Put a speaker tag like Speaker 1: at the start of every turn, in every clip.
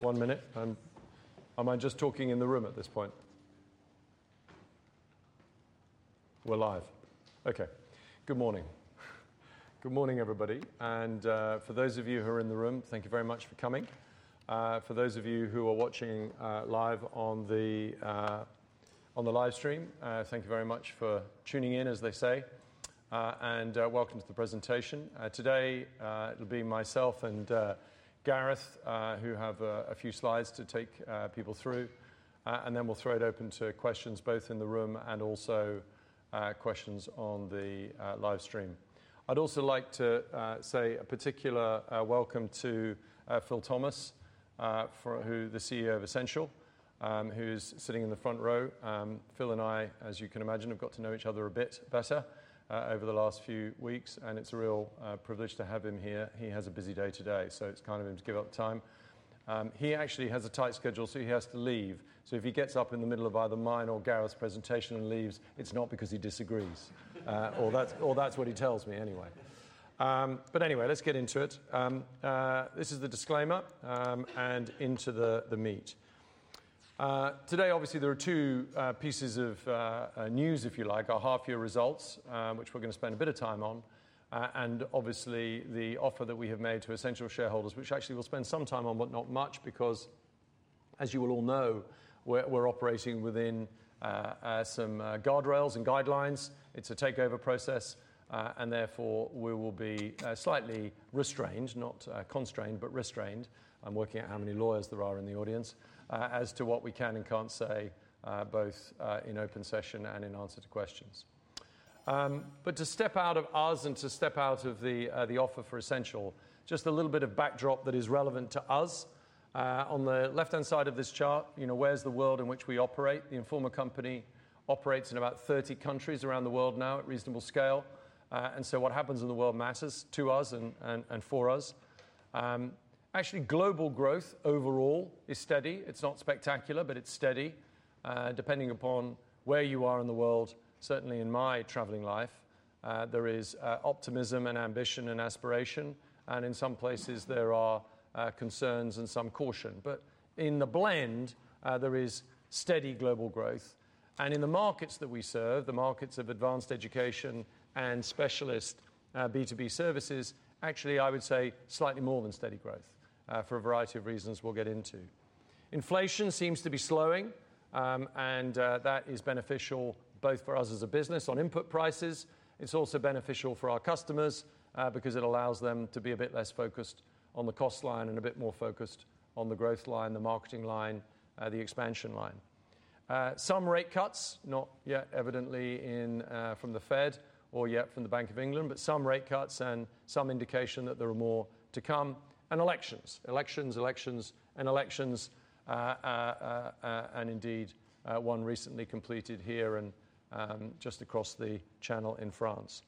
Speaker 1: One minute. Am I just talking in the room at this point? We're live. Okay. Good morning. Good morning, everybody, and for those of you who are in the room, thank you very much for coming. For those of you who are watching live on the live stream, thank you very much for tuning in, as they say, and welcome to the presentation. Today, it'll be myself and Gareth who have a few slides to take people through. And then we'll throw it open to questions, both in the room and also questions on the live stream. I'd also like to say a particular welcome to Phil Thomas, who is the CEO of Ascential, who's sitting in the front row. Phil and I, as you can imagine, have got to know each other a bit better over the last few weeks, and it's a real privilege to have him here. He has a busy day today, so it's kind of him to give up time. He actually has a tight schedule, so he has to leave. So if he gets up in the middle of either mine or Gareth's presentation and leaves, it's not because he disagrees. Or that's what he tells me anyway. But anyway, let's get into it. This is the disclaimer and into the meat. Today, obviously, there are two pieces of news, if you like. Our half year results, which we're gonna spend a bit of time on, and obviously, the offer that we have made to Ascential shareholders, which actually we'll spend some time on, but not much, because as you will all know, we're operating within some guardrails and guidelines. It's a takeover process, and therefore, we will be slightly restrained, not constrained, but restrained. I'm working out how many lawyers there are in the audience as to what we can and can't say, both in open session and in answer to questions. But to step out of us and to step out of the offer for Ascential, just a little bit of backdrop that is relevant to us. On the left-hand side of this chart, you know, where's the world in which we operate? The Informa company operates in about 30 countries around the world now at reasonable scale, and so what happens in the world matters to us and for us. Actually, global growth overall is steady. It's not spectacular, but it's steady. Depending upon where you are in the world, certainly in my traveling life, there is optimism and ambition and aspiration, and in some places there are concerns and some caution. But in the blend, there is steady global growth, and in the markets that we serve, the markets of advanced education and specialist B2B services, actually, I would say slightly more than steady growth for a variety of reasons we'll get into. Inflation seems to be slowing, and that is beneficial both for us as a business on input prices. It's also beneficial for our customers, because it allows them to be a bit less focused on the cost line and a bit more focused on the growth line, the marketing line, the expansion line. Some rate cuts, not yet evidently in. From the Fed or yet from the Bank of England, but some rate cuts and some indication that there are more to come. And elections, elections, elections and elections, and indeed, one recently completed here and, just across the channel in France.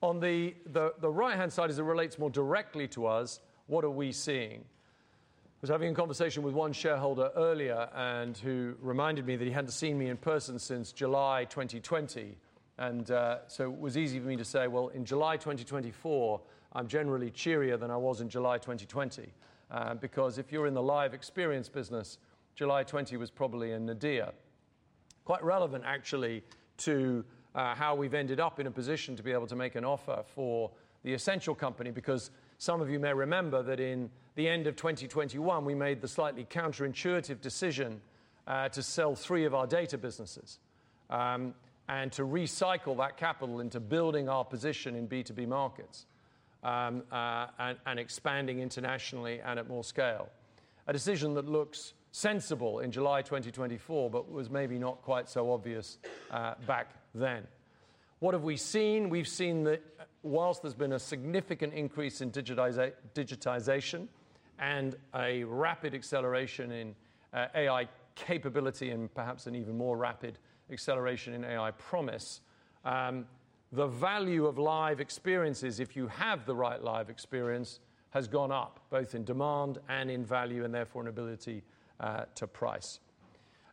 Speaker 1: On the right-hand side as it relates more directly to us, what are we seeing? I was having a conversation with one shareholder earlier and who reminded me that he hadn't seen me in person since July 2020, and so it was easy for me to say, "Well, in July 2024, I'm generally cheerier than I was in July 2020." Because if you're in the live experience business, July 2020 was probably a nadir. Quite relevant, actually, to how we've ended up in a position to be able to make an offer for the Ascential company, because some of you may remember that in the end of 2021, we made the slightly counterintuitive decision to sell three of our data businesses, and to recycle that capital into building our position in B2B markets, and expanding internationally and at more scale. A decision that looks sensible in July 2024, but was maybe not quite so obvious back then. What have we seen? We've seen that whilst there's been a significant increase in digitization and a rapid acceleration in AI capability, and perhaps an even more rapid acceleration in AI promise, the value of live experiences, if you have the right live experience, has gone up, both in demand and in value, and therefore in ability to price.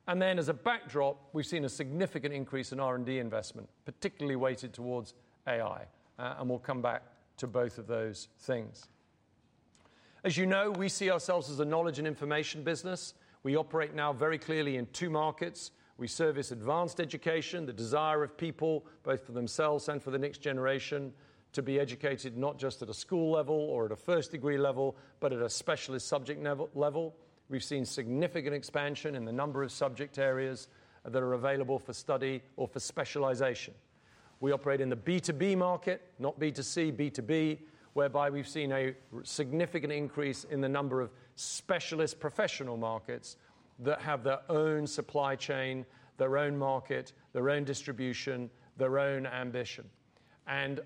Speaker 1: And then, as a backdrop, we've seen a significant increase in R&D investment, particularly weighted towards AI, and we'll come back to both of those things. As you know, we see ourselves as a knowledge and information business. We operate now very clearly in two markets. We service advanced education, the desire of people, both for themselves and for the next generation, to be educated, not just at a school level or at a first degree level, but at a specialist subject level. We've seen significant expansion in the number of subject areas that are available for study or for specialization. We operate in the B2B market, not B2C, B2B, whereby we've seen a significant increase in the number of specialist professional markets that have their own supply chain, their own market, their own distribution, their own ambition.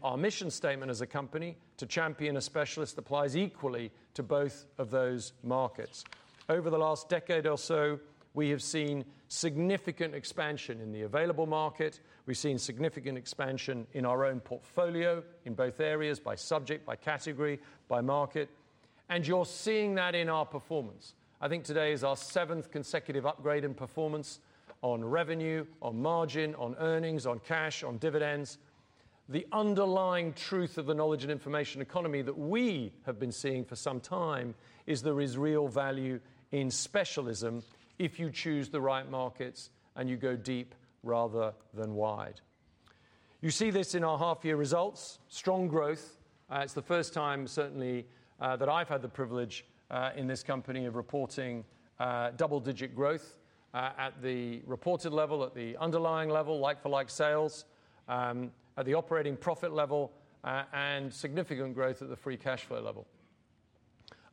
Speaker 1: Our mission statement as a company, to champion a specialist, applies equally to both of those markets. Over the last decade or so, we have seen significant expansion in the available market. We've seen significant expansion in our own portfolio, in both areas, by subject, by category, by market, and you're seeing that in our performance. I think today is our seventh consecutive upgrade in performance on revenue, on margin, on earnings, on cash, on dividends. The underlying truth of the knowledge and information economy that we have been seeing for some time is there is real value in specialism if you choose the right markets and you go deep rather than wide. You see this in our half year results. Strong growth. It's the first time certainly that I've had the privilege in this company of reporting double-digit growth at the reported level, at the underlying level, like-for-like sales, at the operating profit level, and significant growth at the free cash flow level.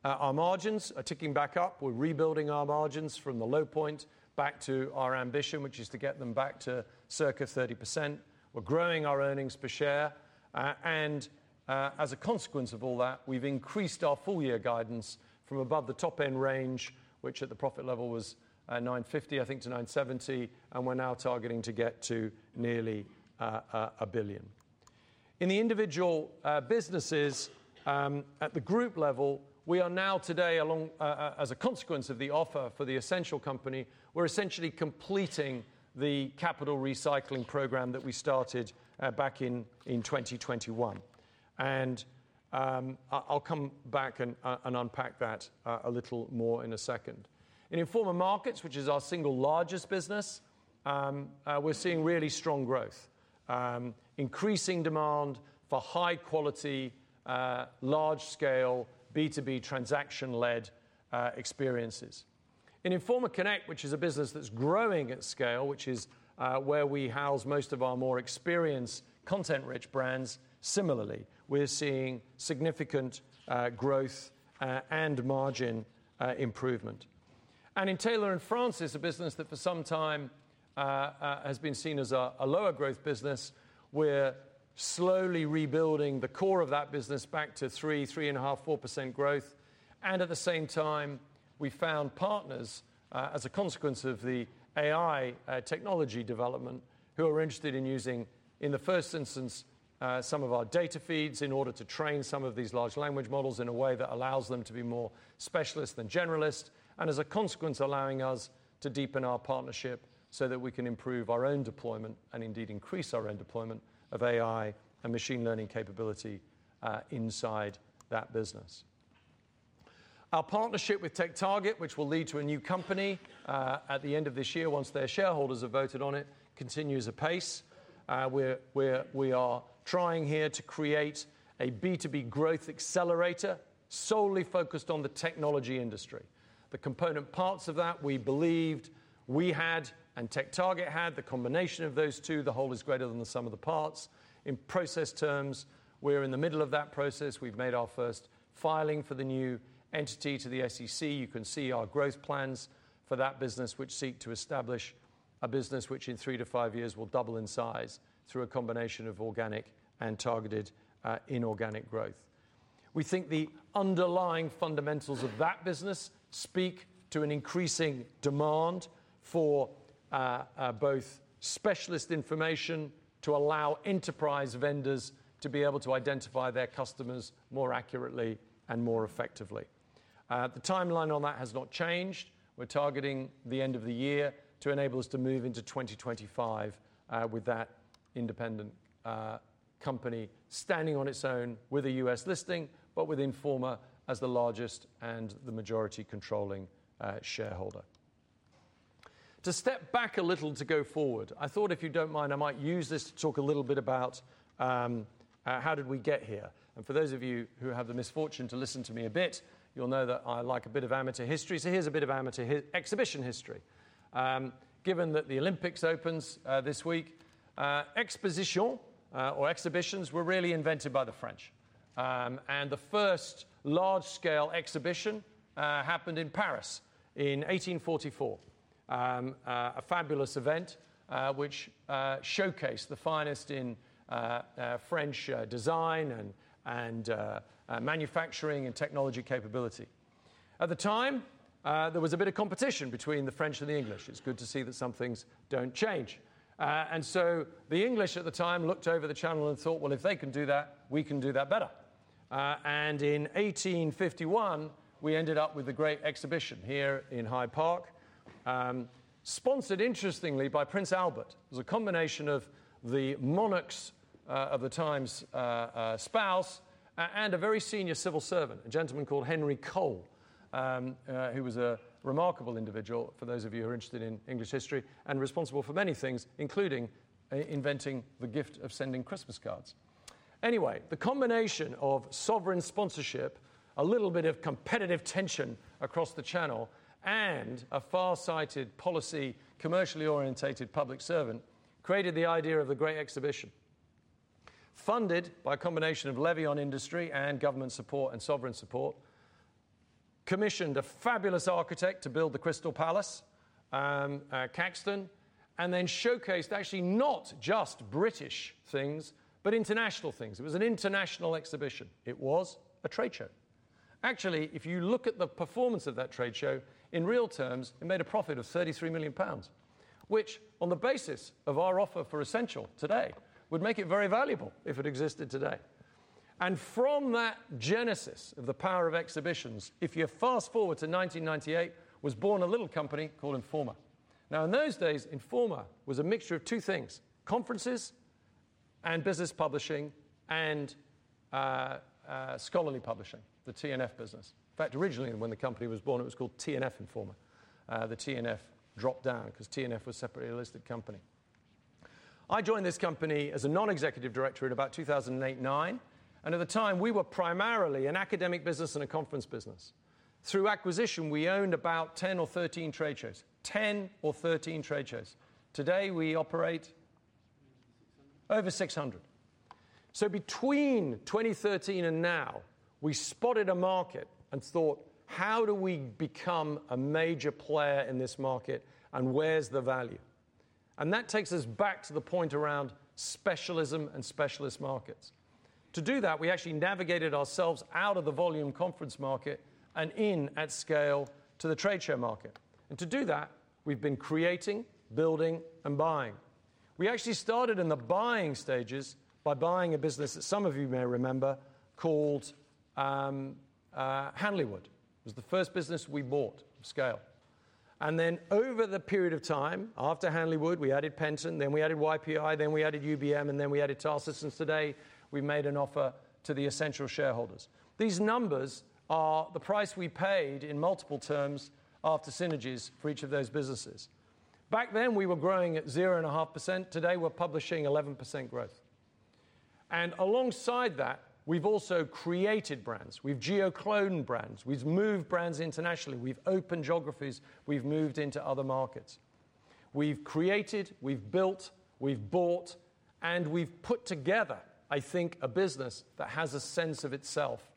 Speaker 1: Our margins are ticking back up. We're rebuilding our margins from the low point back to our ambition, which is to get them back to circa 30%. We're growing our earnings per share, and as a consequence of all that, we've increased our full year guidance from above the top-end range, which at the profit level was 950 million, I think, to 970 million, and we're now targeting to get to nearly 1 billion. In the individual businesses, at the group level, we are now today as a consequence of the offer for the Ascential company, we're essentially completing the capital recycling program that we started back in 2021. And I'll come back and unpack that a little more in a second. In Informa Markets, which is our single largest business, we're seeing really strong growth, increasing demand for high quality large scale B2B transaction-led experiences. In Informa Connect, which is a business that's growing at scale, which is, where we house most of our more experienced content-rich brands, similarly, we're seeing significant, growth, and margin, improvement. In Taylor & Francis, a business that for some time, has been seen as a lower growth business, we're slowly rebuilding the core of that business back to 3%, 3.5%, 4% growth. At the same time, we found partners, as a consequence of the AI technology development, who are interested in using, in the first instance, some of our data feeds in order to train some of these large language models in a way that allows them to be more specialist than generalist, and as a consequence, allowing us to deepen our partnership so that we can improve our own deployment and indeed increase our own deployment of AI and machine learning capability, inside that business. Our partnership with TechTarget, which will lead to a new company, at the end of this year, once their shareholders have voted on it, continues apace. We are trying here to create a B2B growth accelerator solely focused on the technology industry. The component parts of that we believed we had and TechTarget had, the combination of those two, the whole is greater than the sum of the parts. In process terms, we're in the middle of that process. We've made our first filing for the new entity to the SEC. You can see our growth plans for that business, which seek to establish a business which in 3-5 years will double in size through a combination of organic and targeted, inorganic growth. We think the underlying fundamentals of that business speak to an increasing demand for, both specialist information to allow enterprise vendors to be able to identify their customers more accurately and more effectively. The timeline on that has not changed. We're targeting the end of the year to enable us to move into 2025 with that independent company standing on its own with a U.S. listing, but with Informa as the largest and the majority controlling shareholder. To step back a little to go forward, I thought, if you don't mind, I might use this to talk a little bit about how did we get here? And for those of you who have the misfortune to listen to me a bit, you'll know that I like a bit of amateur history. Here's a bit of amateur exhibition history. Given that the Olympics opens this week, exposition or exhibitions were really invented by the French. The first large-scale exhibition happened in Paris in 1844. A fabulous event, which showcased the finest in French design and manufacturing and technology capability. At the time, there was a bit of competition between the French and the English. It's good to see that some things don't change. And so the English at the time looked over the channel and thought, "Well, if they can do that, we can do that better." And in 1851, we ended up with the Great Exhibition here in Hyde Park, sponsored interestingly by Prince Albert. It was a combination of the monarch's of the time's spouse, and a very senior civil servant, a gentleman called Henry Cole, who was a remarkable individual, for those of you who are interested in English history, and responsible for many things, including inventing the gift of sending Christmas cards. Anyway, the combination of sovereign sponsorship, a little bit of competitive tension across the channel, and a far-sighted policy, commercially orientated public servant, created the idea of the Great Exhibition. Funded by a combination of levy on industry and government support and sovereign support, commissioned a fabulous architect to build the Crystal Palace, Paxton, and then showcased actually not just British things, but international things. It was an international exhibition. It was a trade show. Actually, if you look at the performance of that trade show, in real terms, it made a profit of 33 million pounds, which, on the basis of our offer for Ascential today, would make it very valuable if it existed today. And from that genesis of the power of exhibitions, if you fast-forward to 1998, was born a little company called Informa. Now, in those days, Informa was a mixture of two things: conferences and business publishing, and scholarly publishing, the T&F business. In fact, originally, when the company was born, it was called T&F Informa. The T&F dropped down because T&F was separately a listed company. I joined this company as a non-executive director in about 2008 or 2009, and at the time, we were primarily an academic business and a conference business. Through acquisition, we owned about 10 or 13 trade shows. 10 or 13 trade shows. Today, we operate over 600. So between 2013 and now, we spotted a market and thought, how do we become a major player in this market, and where's the value? And that takes us back to the point around specialism and specialist markets. To do that, we actually navigated ourselves out of the volume conference market and in at scale to the trade show market. And to do that, we've been creating, building, and buying. We actually started in the buying stages by buying a business that some of you may remember called Hanley Wood. It was the first business we bought of scale. And then over the period of time after Hanley Wood, we added Penton, then we added YPI, then we added UBM, and then we added Tarsus. Today, we made an offer to the Ascential shareholders. These numbers are the price we paid in multiple terms after synergies for each of those businesses. Back then, we were growing at 0.5%. Today, we're publishing 11% growth. And alongside that, we've also created brands. We've geo-cloned brands, we've moved brands internationally, we've opened geographies, we've moved into other markets. We've created, we've built, we've bought, and we've put together, I think, a business that has a sense of itself.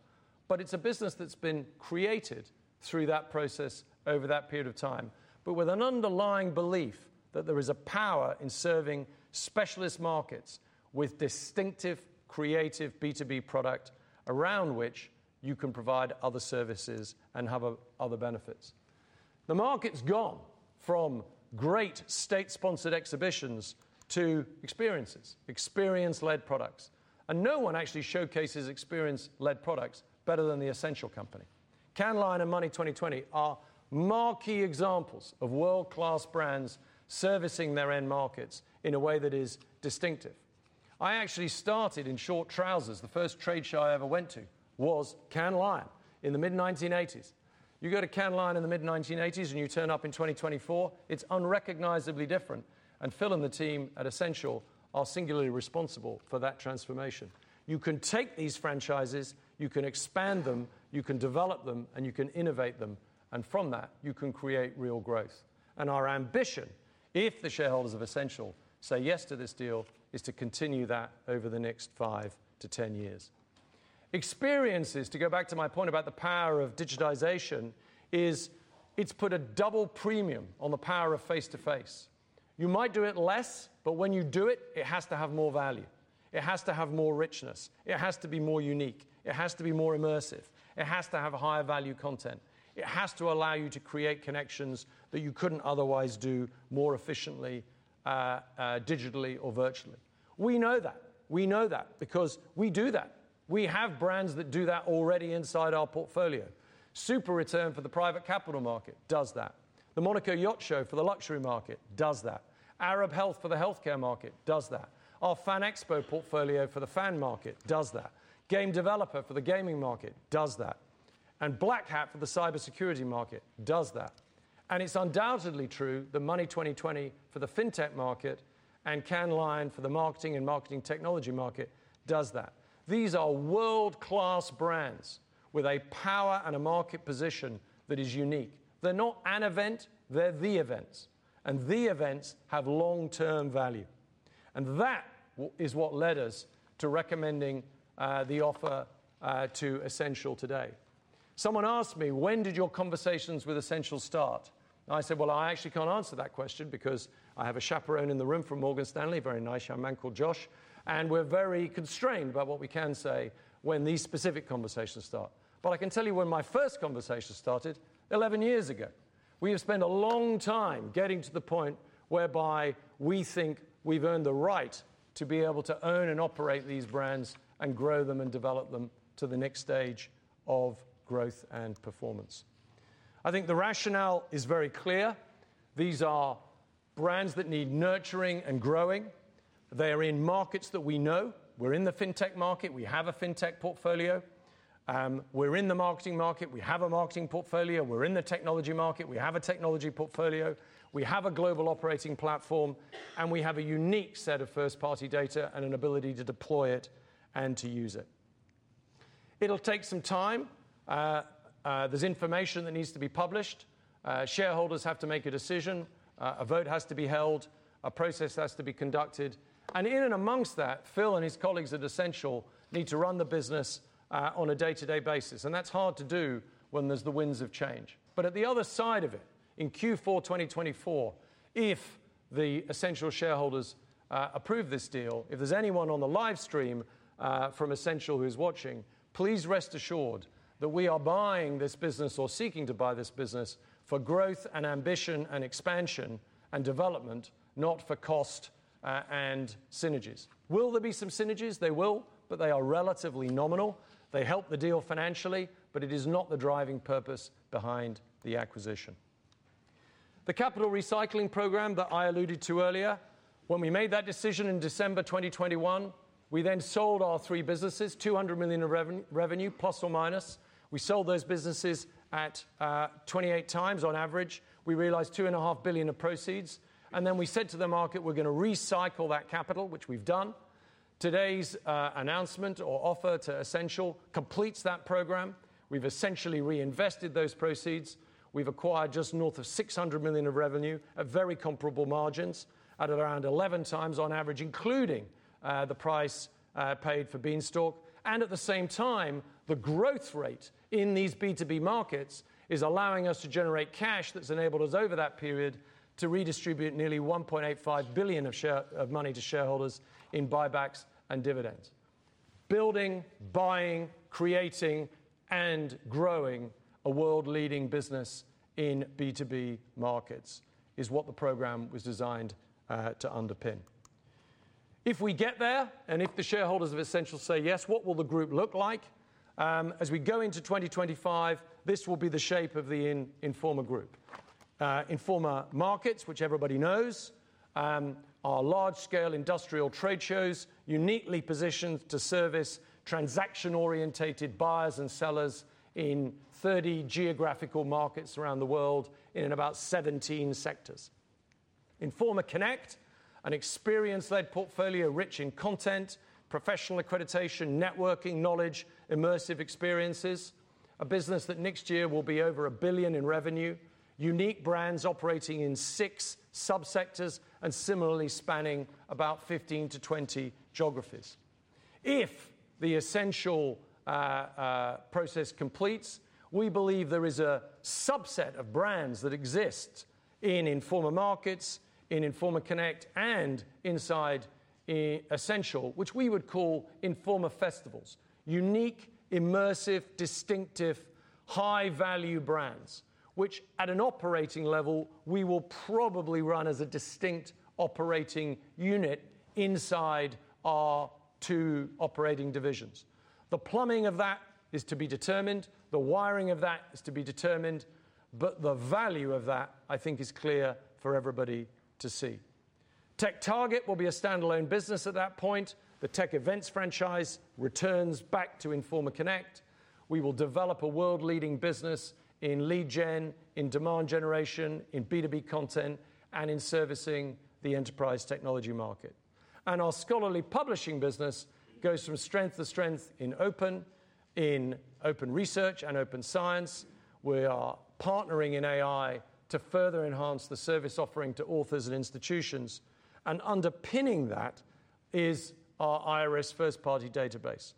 Speaker 1: But it's a business that's been created through that process over that period of time, but with an underlying belief that there is a power in serving specialist markets with distinctive, creative B2B product around which you can provide other services and have other benefits. The market's gone from great state-sponsored exhibitions to experiences, experience-led products, and no one actually showcases experience-led products better than the Ascential company. Cannes Lions and Money20/20 are Marquee examples of world-class brands servicing their end markets in a way that is distinctive. I actually started in short trousers. The first trade show I ever went to was Cannes Lions in the mid-1980s. You go to Cannes Lions in the mid-1980s, and you turn up in 2024, it's unrecognizably different, and Phil and the team at Ascential are singularly responsible for that transformation. You can take these franchises, you can expand them, you can develop them, and you can innovate them, and from that, you can create real growth. Our ambition, if the shareholders of Ascential say yes to this deal, is to continue that over the next 5-10 years. Experiences, to go back to my point about the power of digitization, is it's put a double premium on the power of face-to-face. You might do it less, but when you do it, it has to have more value. It has to have more richness. It has to be more unique. It has to be more immersive. It has to have a higher value content. It has to allow you to create connections that you couldn't otherwise do more efficiently, digitally or virtually. We know that. We know that because we do that. We have brands that do that already inside our portfolio. SuperReturn for the private capital market does that. The Monaco Yacht Show for the luxury market does that. Arab Health for the healthcare market does that. Our FAN EXPO portfolio for the fan market does that. Game Developer for the gaming market does that. And Black Hat for the cybersecurity market does that. It's undoubtedly true that Money20/20 for the fintech market and Cannes Lions for the marketing and marketing technology market does that. These are world-class brands with a power and a market position that is unique. They're not an event, they're the events, and the events have long-term value. That is what led us to recommending the offer to Ascential today. Someone asked me, "When did your conversations with Ascential start?" I said, "Well, I actually can't answer that question because I have a chaperone in the room from Morgan Stanley, a very nice young man called Josh, and we're very constrained by what we can say when these specific conversations start." But I can tell you when my first conversation started, 11 years ago. We have spent a long time getting to the point whereby we think we've earned the right to be able to own and operate these brands and grow them and develop them to the next stage of growth and performance. I think the rationale is very clear. These are brands that need nurturing and growing. They're in markets that we know. We're in the fintech market. We have a fintech portfolio. We're in the marketing market. We have a marketing portfolio. We're in the technology market. We have a technology portfolio. We have a global operating platform, and we have a unique set of first-party data and an ability to deploy it and to use it. It'll take some time. There's information that needs to be published. Shareholders have to make a decision, a vote has to be held, a process has to be conducted, and in and amongst that, Phil and his colleagues at Ascential need to run the business on a day-to-day basis, and that's hard to do when there's the winds of change. But at the other side of it, in Q4 2024, if the Ascential shareholders approve this deal, if there's anyone on the live stream from Ascential who's watching, please rest assured that we are buying this business or seeking to buy this business for growth and ambition and expansion and development, not for cost and synergies. Will there be some synergies? There will, but they are relatively nominal. They help the deal financially, but it is not the driving purpose behind the acquisition. The capital recycling program that I alluded to earlier, when we made that decision in December 2021, we then sold our three businesses, 200 million of revenue, plus or minus. We sold those businesses at 28x on average. We realized 2.5 billion of proceeds, and then we said to the market, "We're gonna recycle that capital," which we've done. Today's announcement or offer to Ascential completes that program. We've essentially reinvested those proceeds. We've acquired just north of 600 million of revenue at very comparable margins at around 11x on average, including the price paid for Beanstalk. At the same time, the growth rate in these B2B markets is allowing us to generate cash that's enabled us over that period to redistribute nearly 1.85 billion of shares of money to shareholders in buybacks and dividends. Building, buying, creating, and growing a world-leading business in B2B markets is what the program was designed to underpin. If we get there, and if the shareholders of Ascential say yes, what will the group look like? As we go into 2025, this will be the shape of the Informa group. Informa Markets, which everybody knows, are large-scale industrial trade shows, uniquely positioned to service transaction-oriented buyers and sellers in 30 geographical markets around the world and in about 17 sectors. Informa Connect, an experience-led portfolio rich in content, professional accreditation, networking knowledge, immersive experiences, a business that next year will be over 1 billion in revenue, unique brands operating in six subsectors and similarly spanning about 15-20 geographies. If the Ascential process completes, we believe there is a subset of brands that exist in Informa Markets, in Informa Connect, and inside Ascential, which we would call Informa Festivals. Unique, immersive, distinctive, high-value brands, which at an operating level, we will probably run as a distinct operating unit inside our two operating divisions. The plumbing of that is to be determined. The wiring of that is to be determined, but the value of that, I think, is clear for everybody to see. TechTarget will be a standalone business at that point. The Tech Events franchise returns back to Informa Connect. We will develop a world-leading business in lead gen, in demand generation, in B2B content, and in servicing the enterprise technology market. Our scholarly publishing business goes from strength to strength in open, in open research and open science. We are partnering in AI to further enhance the service offering to authors and institutions, and underpinning that is our IIRIS first-party database.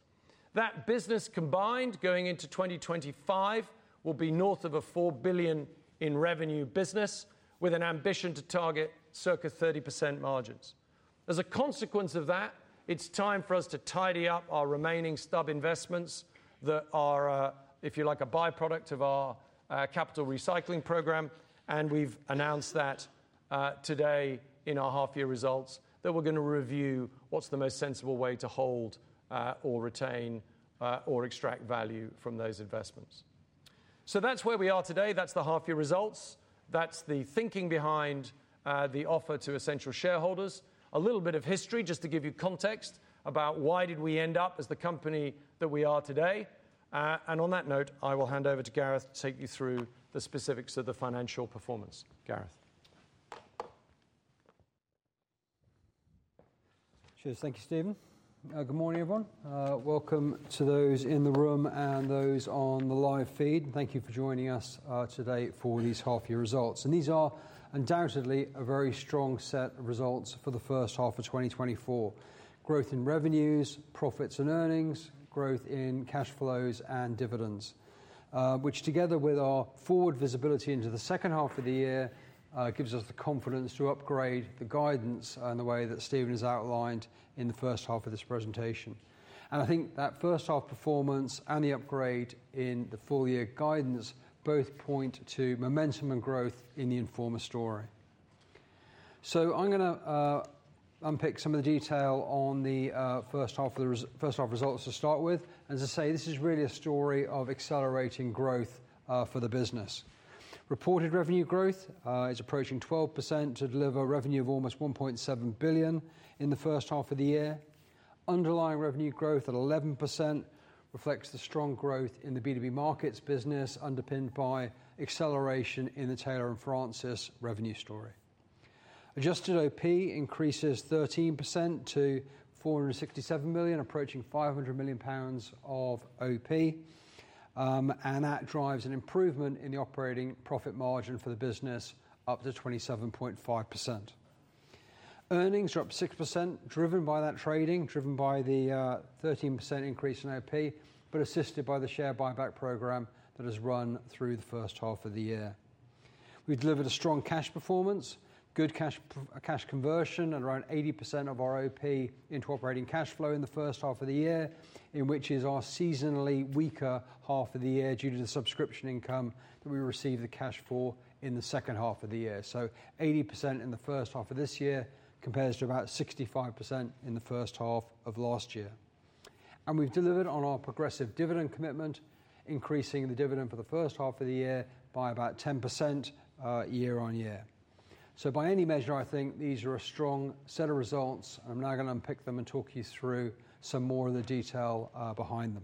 Speaker 1: That business combined, going into 2025, will be north of 4 billion in revenue business with an ambition to target circa 30% margins. As a consequence of that, it's time for us to tidy up our remaining stub investments that are, if you like, a by-product of our capital recycling program. We've announced that today in our half-year results, that we're gonna review what's the most sensible way to hold, or retain, or extract value from those investments. So that's where we are today. That's the half-year results. That's the thinking behind the offer to Ascential shareholders. A little bit of history, just to give you context about why did we end up as the company that we are today. And on that note, I will hand over to Gareth to take you through the specifics of the financial performance. Gareth?
Speaker 2: Cheers. Thank you, Stephen. Good morning, everyone. Welcome to those in the room and those on the live feed. Thank you for joining us today for these half-year results. These are undoubtedly a very strong set of results for the first half of 2024. Growth in revenues, profits and earnings, growth in cash flows and dividends, which, together with our forward visibility into the second half of the year, gives us the confidence to upgrade the guidance in the way that Stephen has outlined in the first half of this presentation. I think that first half performance and the upgrade in the full year guidance both point to momentum and growth in the Informa story. So I'm gonna unpick some of the detail on the first half results to start with. As I say, this is really a story of accelerating growth for the business. Reported revenue growth is approaching 12% to deliver revenue of almost 1.7 billion in the first half of the year. Underlying revenue growth at 11% reflects the strong growth in the B2B markets business, underpinned by acceleration in the Taylor & Francis revenue story. Adjusted OP increases 13% to 467 million, approaching 500 million pounds of OP, and that drives an improvement in the operating profit margin for the business up to 27.5%. Earnings are up 6%, driven by that trading, driven by the 13% increase in OP, but assisted by the share buyback program that has run through the first half of the year. We've delivered a strong cash performance, good cash conversion, at around 80% of our OP into operating cash flow in the first half of the year, in which is our seasonally weaker half of the year, due to the subscription income that we receive the cash for in the second half of the year. So 80% in the first half of this year compares to about 65% in the first half of last year. And we've delivered on our progressive dividend commitment, increasing the dividend for the first half of the year by about 10%, year on year. So by any measure, I think these are a strong set of results, and I'm now going to unpick them and talk you through some more of the detail behind them.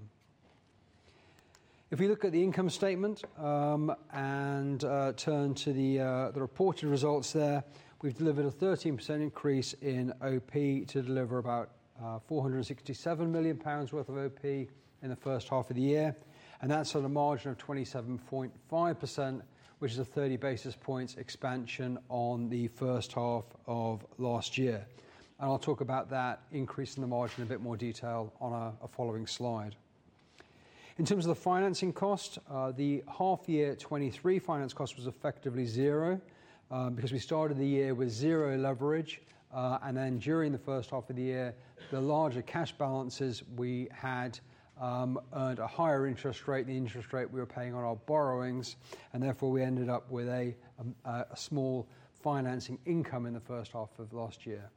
Speaker 2: If you look at the income statement and turn to the reported results there, we've delivered a 13% increase in OP to deliver about 467 million pounds worth of OP in the first half of the year, and that's on a margin of 27.5%, which is a 30 basis points expansion on the first half of last year. And I'll talk about that increase in the margin in a bit more detail on a following slide. In terms of the financing cost, the half year 2023 finance cost was effectively zero because we started the year with zero leverage. And then during the first half of the year, the larger cash balances we had earned a higher interest rate, the interest rate we were paying on our borrowings, and therefore, we ended up with a small financing income in the first half of last year.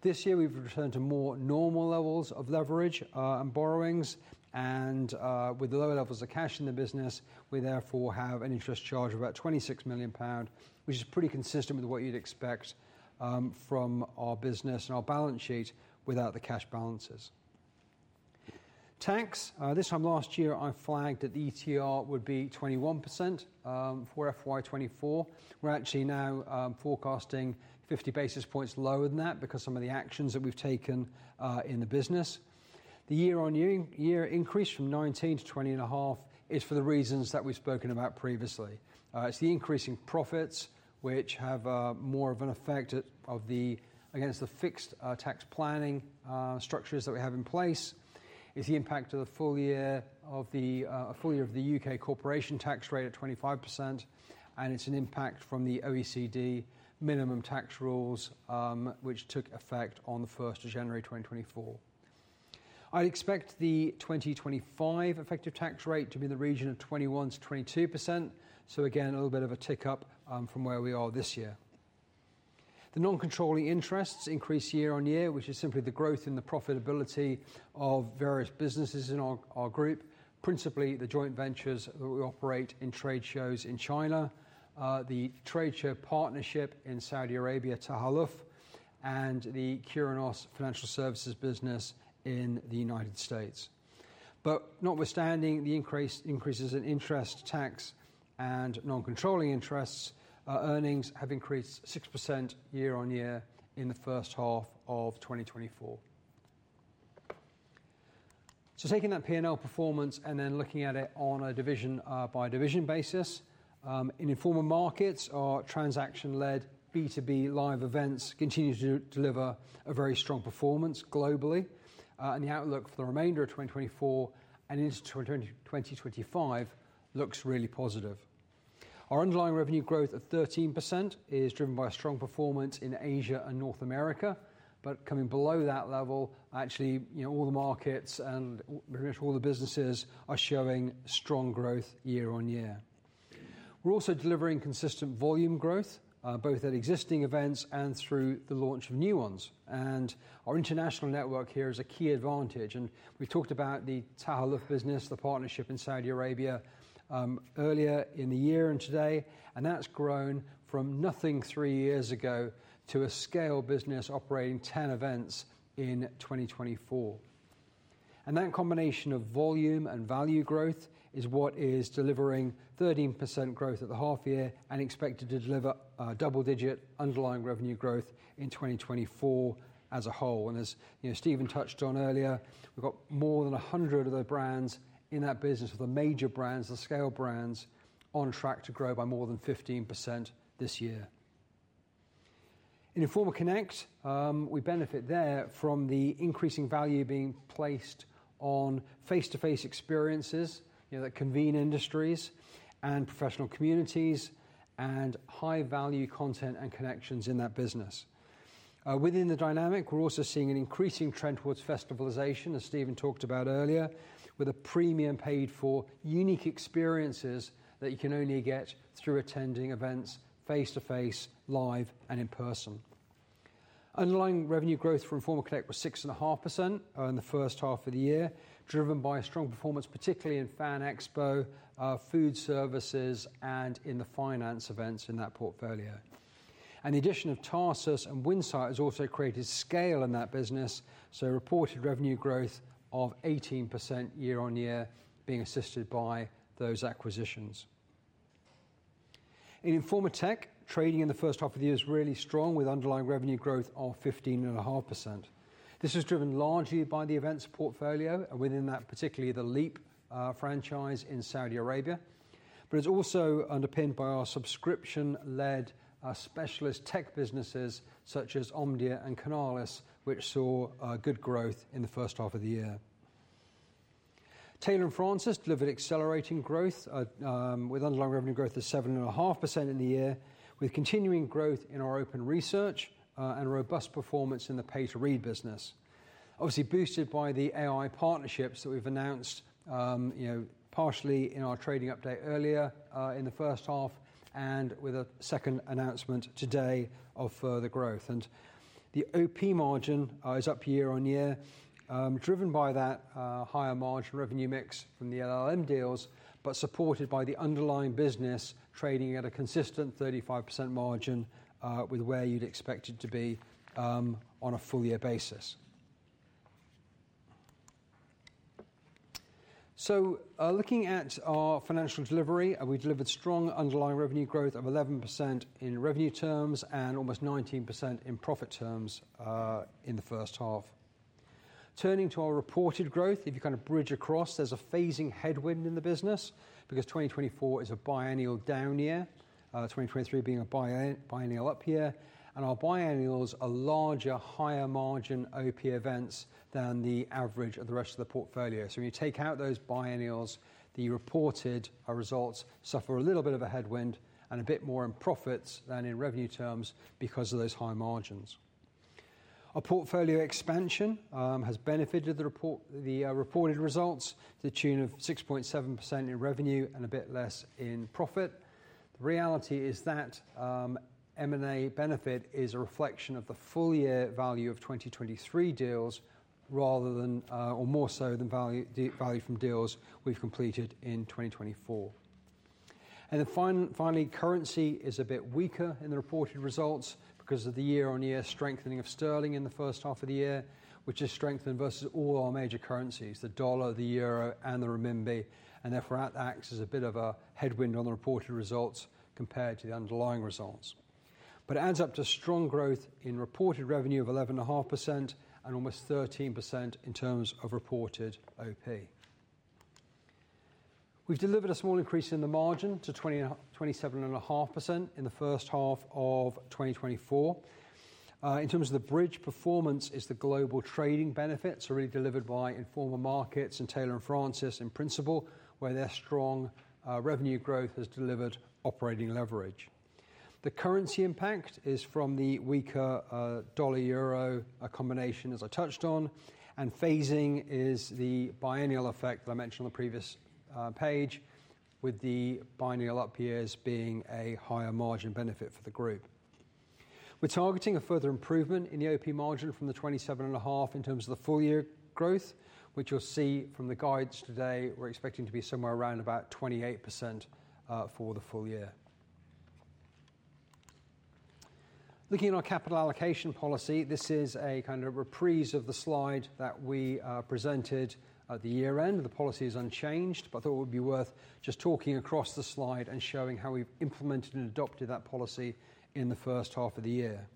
Speaker 2: This year, we've returned to more normal levels of leverage and borrowings, and with the lower levels of cash in the business, we therefore have an interest charge of about 26 million pound, which is pretty consistent with what you'd expect from our business and our balance sheet without the cash balances. Tax. This time last year, I flagged that the ETR would be 21% for FY 2024. We're actually now forecasting 50 basis points lower than that because some of the actions that we've taken in the business. The year-on-year increase from 19% to 20.5% is for the reasons that we've spoken about previously. It's the increase in profits, which have more of an effect on the fixed tax planning structures that we have in place. It's the impact of the full year of the U.K. corporation tax rate at 25%, and it's an impact from the OECD minimum tax rules, which took effect on the first of January 2024. I expect the 2025 effective tax rate to be in the region of 21%-22%. So again, a little bit of a tick-up from where we are this year. The non-controlling interests increase year-on-year, which is simply the growth in the profitability of various businesses in our group, principally the joint ventures that we operate in trade shows in China, the trade show partnership in Saudi Arabia, Tahaluf, and the Curinos financial services business in the United States. But notwithstanding the increase, increases in interest, tax, and non-controlling interests, earnings have increased 6% year-on-year in the first half of 2024. So taking that P&L performance and then looking at it on a division, by division basis, in Informa Markets, our transaction-led, B2B live events continue to deliver a very strong performance globally. And the outlook for the remainder of 2024 and into 2025 looks really positive. Our underlying revenue growth of 13% is driven by a strong performance in Asia and North America. But coming below that level, actually, you know, all the markets and pretty much all the businesses are showing strong growth year on year. We're also delivering consistent volume growth, both at existing events and through the launch of new ones. And our international network here is a key advantage, and we talked about the Tahaluf business, the partnership in Saudi Arabia, earlier in the year and today, and that's grown from nothing three years ago to a scale business operating 10 events in 2024. And that combination of volume and value growth is what is delivering 13% growth at the half year and expected to deliver, double-digit underlying revenue growth in 2024 as a whole. As you know, Stephen touched on earlier, we've got more than 100 of the brands in that business, the major brands, the scale brands, on track to grow by more than 15% this year. In Informa Connect, we benefit there from the increasing value being placed on face-to-face experiences, you know, that convene industries and professional communities and high-value content and connections in that business. Within the dynamic, we're also seeing an increasing trend towards festivalization, as Stephen talked about earlier, with a premium paid for unique experiences that you can only get through attending events face to face, live, and in person. Underlying revenue growth for Informa Connect was 6.5%, in the first half of the year, driven by a strong performance, particularly in FAN EXPO, food services, and in the finance events in that portfolio. The addition of Tarsus and Winsight has also created scale in that business, so reported revenue growth of 18% year-on-year being assisted by those acquisitions. In Informa Tech, trading in the first half of the year is really strong, with underlying revenue growth of 15.5%. This is driven largely by the events portfolio, and within that, particularly the LEAP franchise in Saudi Arabia. But it's also underpinned by our subscription-led specialist tech businesses such as Omdia and Canalys, which saw good growth in the first half of the year. Taylor & Francis delivered accelerating growth, with underlying revenue growth of 7.5% in the year, with continuing growth in our open research and robust performance in the pay-to-read business. Obviously, boosted by the AI partnerships that we've announced, you know, partially in our trading update earlier, in the first half, and with a second announcement today of further growth. And the OP margin is up year-on-year, driven by that higher margin revenue mix from the LLM deals, but supported by the underlying business trading at a consistent 35% margin, with where you'd expect it to be, on a full year basis. So, looking at our financial delivery, we delivered strong underlying revenue growth of 11% in revenue terms and almost 19% in profit terms, in the first half. Turning to our reported growth, if you kind of bridge across, there's a phasing headwind in the business, because 2024 is a biennial down year, twenty twenty-three being a biennial up year. And our biennials are larger, higher margin OP events than the average of the rest of the portfolio. So when you take out those biennials, the reported results suffer a little bit of a headwind and a bit more in profits than in revenue terms because of those high margins. Our portfolio expansion has benefited the reported results to the tune of 6.7% in revenue and a bit less in profit. The reality is that, M&A benefit is a reflection of the full-year value of 2023 deals rather than, or more so than value, the value from deals we've completed in 2024. Finally, currency is a bit weaker in the reported results because of the year-on-year strengthening of sterling in the first half of the year, which has strengthened versus all our major currencies, the dollar, the euro, and the renminbi, and therefore, that acts as a bit of a headwind on the reported results compared to the underlying results. But it adds up to strong growth in reported revenue of 11.5% and almost 13% in terms of reported OP. We've delivered a small increase in the margin to 27.5% in the first half of 2024. In terms of the bridge performance is the global trading benefits are really delivered by Informa Markets and Taylor & Francis in principle, where their strong revenue growth has delivered operating leverage. The currency impact is from the weaker dollar-euro combination, as I touched on, and phasing is the biennial effect that I mentioned on the previous page, with the biennial up years being a higher margin benefit for the group. We're targeting a further improvement in the OP margin from the 27.5 in terms of the full year growth, which you'll see from the guides today, we're expecting to be somewhere around about 28% for the full year. Looking at our capital allocation policy, this is a kind of reprise of the slide that we presented at the year-end. The policy is unchanged, but I thought it would be worth just talking across the slide and showing how we've implemented and adopted that policy in the first half of the year.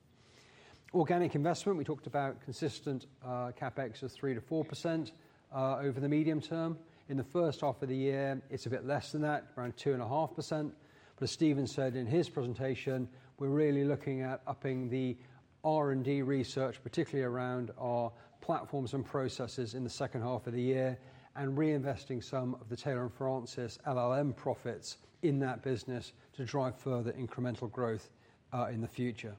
Speaker 2: Organic investment, we talked about consistent, CapEx of 3%-4% over the medium term. In the first half of the year, it's a bit less than that, around 2.5%. But as Stephen said in his presentation, we're really looking at upping the R&D research, particularly around our platforms and processes in the second half of the year, and reinvesting some of the Taylor & Francis LLM profits in that business to drive further incremental growth, in the future.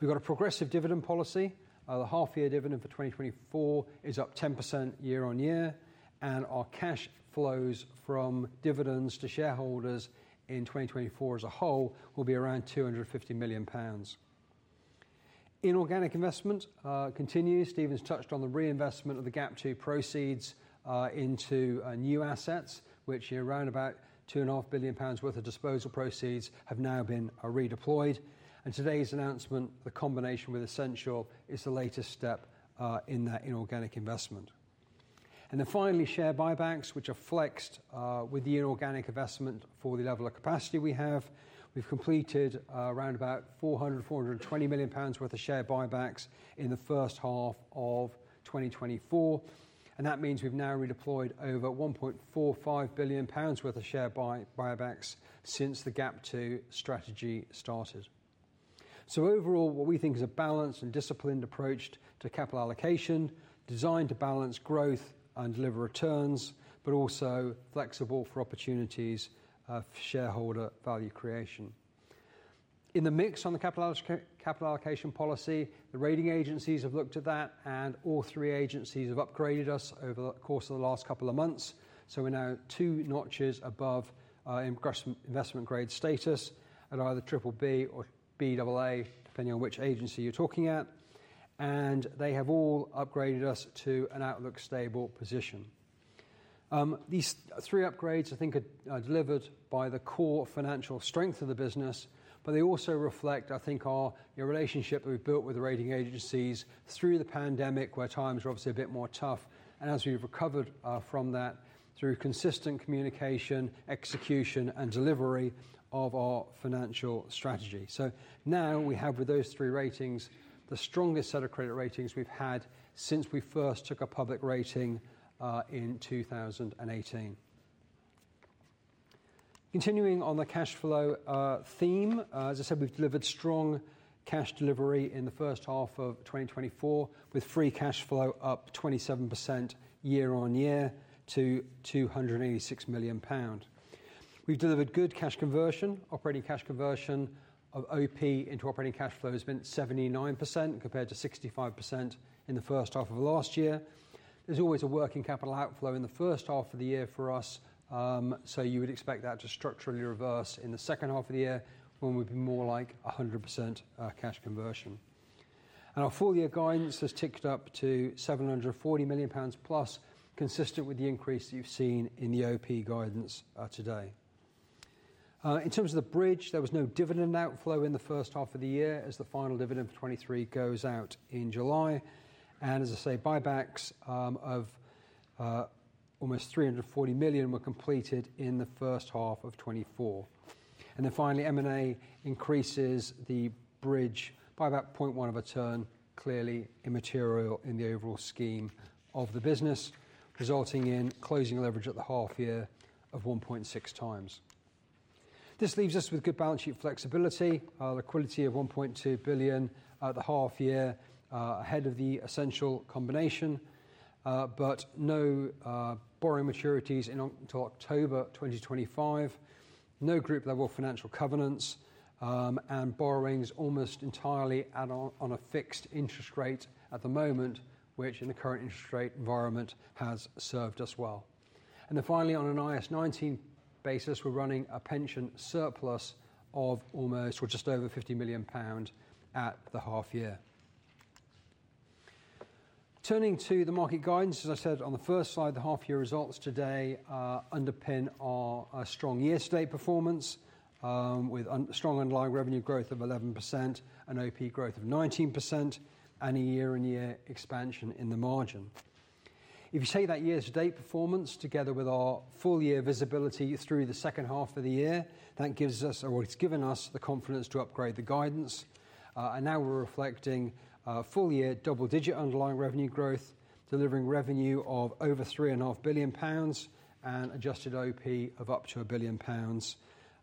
Speaker 2: We've got a progressive dividend policy. The half year dividend for 2024 is up 10% year-on-year, and our cash flows from dividends to shareholders in 2024 as a whole, will be around 250 million pounds. Inorganic investment, continues. Stephen's touched on the reinvestment of the GAP II proceeds into new assets, which are around about 2.5 billion pounds worth of disposal proceeds have now been redeployed. And today's announcement, the combination with Ascential, is the latest step in that inorganic investment. And then finally, share buybacks, which are flexed with the inorganic investment for the level of capacity we have. We've completed around about 420 million pounds worth of share buybacks in the first half of 2024, and that means we've now redeployed over 1.45 billion pounds worth of share buybacks since the GAP II strategy started. So overall, what we think is a balanced and disciplined approach to capital allocation, designed to balance growth and deliver returns, but also flexible for opportunities, shareholder value creation. In the mix on the capital allocation policy, the rating agencies have looked at that, and all three agencies have upgraded us over the course of the last couple of months. So we're now two notches above investment grade status at either BBB or Baa, depending on which agency you're talking at. And they have all upgraded us to an outlook stable position. These three upgrades, I think, are delivered by the core financial strength of the business, but they also reflect, I think, our the relationship we've built with the rating agencies through the pandemic, where times were obviously a bit more tough. And as we've recovered from that, through consistent communication, execution, and delivery of our financial strategy. So now we have with those three ratings, the strongest set of credit ratings we've had since we first took a public rating in 2018. Continuing on the cash flow theme, as I said, we've delivered strong cash delivery in the first half of 2024, with free cash flow up 27% year-on-year to 286 million pound. We've delivered good cash conversion. Operating cash conversion of OP into operating cash flow has been 79%, compared to 65% in the first half of last year. There's always a working capital outflow in the first half of the year for us, so you would expect that to structurally reverse in the second half of the year, when we'd be more like 100%, cash conversion. And our full year guidance has ticked up to 740 million pounds+, consistent with the increase you've seen in the OP guidance today. In terms of the bridge, there was no dividend outflow in the first half of the year as the final dividend for 2023 goes out in July. And as I say, buybacks of almost 340 million were completed in the first half of 2024. And then finally, M&A increases the bridge by about 0.1 of a turn, clearly immaterial in the overall scheme of the business, resulting in closing leverage at the half year of 1.6x. This leaves us with good balance sheet flexibility, liquidity of 1.2 billion at the half year, ahead of the Ascential combination. But no borrowing maturities until October 2025. No group-level financial covenants, and borrowings almost entirely at a, on a fixed interest rate at the moment, which in the current interest rate environment, has served us well. And then finally, on an IAS 19 basis, we're running a pension surplus of almost or just over 50 million pound at the half year. Turning to the market guidance, as I said on the first slide, the half year results today, underpin our, our strong year-to-date performance, with strong underlying revenue growth of 11% and OP growth of 19% and a year-on-year expansion in the margin. If you take that year-to-date performance together with our full year visibility through the second half of the year, that gives us or it's given us the confidence to upgrade the guidance. And now we're reflecting a full year double-digit underlying revenue growth, delivering revenue of over 3.5 billion pounds and adjusted OP of up to 1 billion pounds.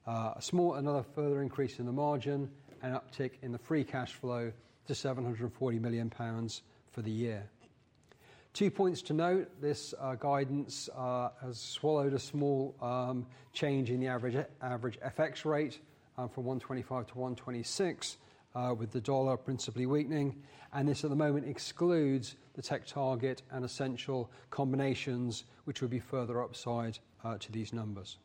Speaker 2: A small further increase in the margin and uptick in the free cash flow to 740 million pounds for the year. Two points to note, this guidance has swallowed a small change in the average FX rate from 1.25 to 1.26 with the dollar principally weakening. And this, at the moment, excludes the TechTarget and Ascential combinations, which would be further upside to these numbers.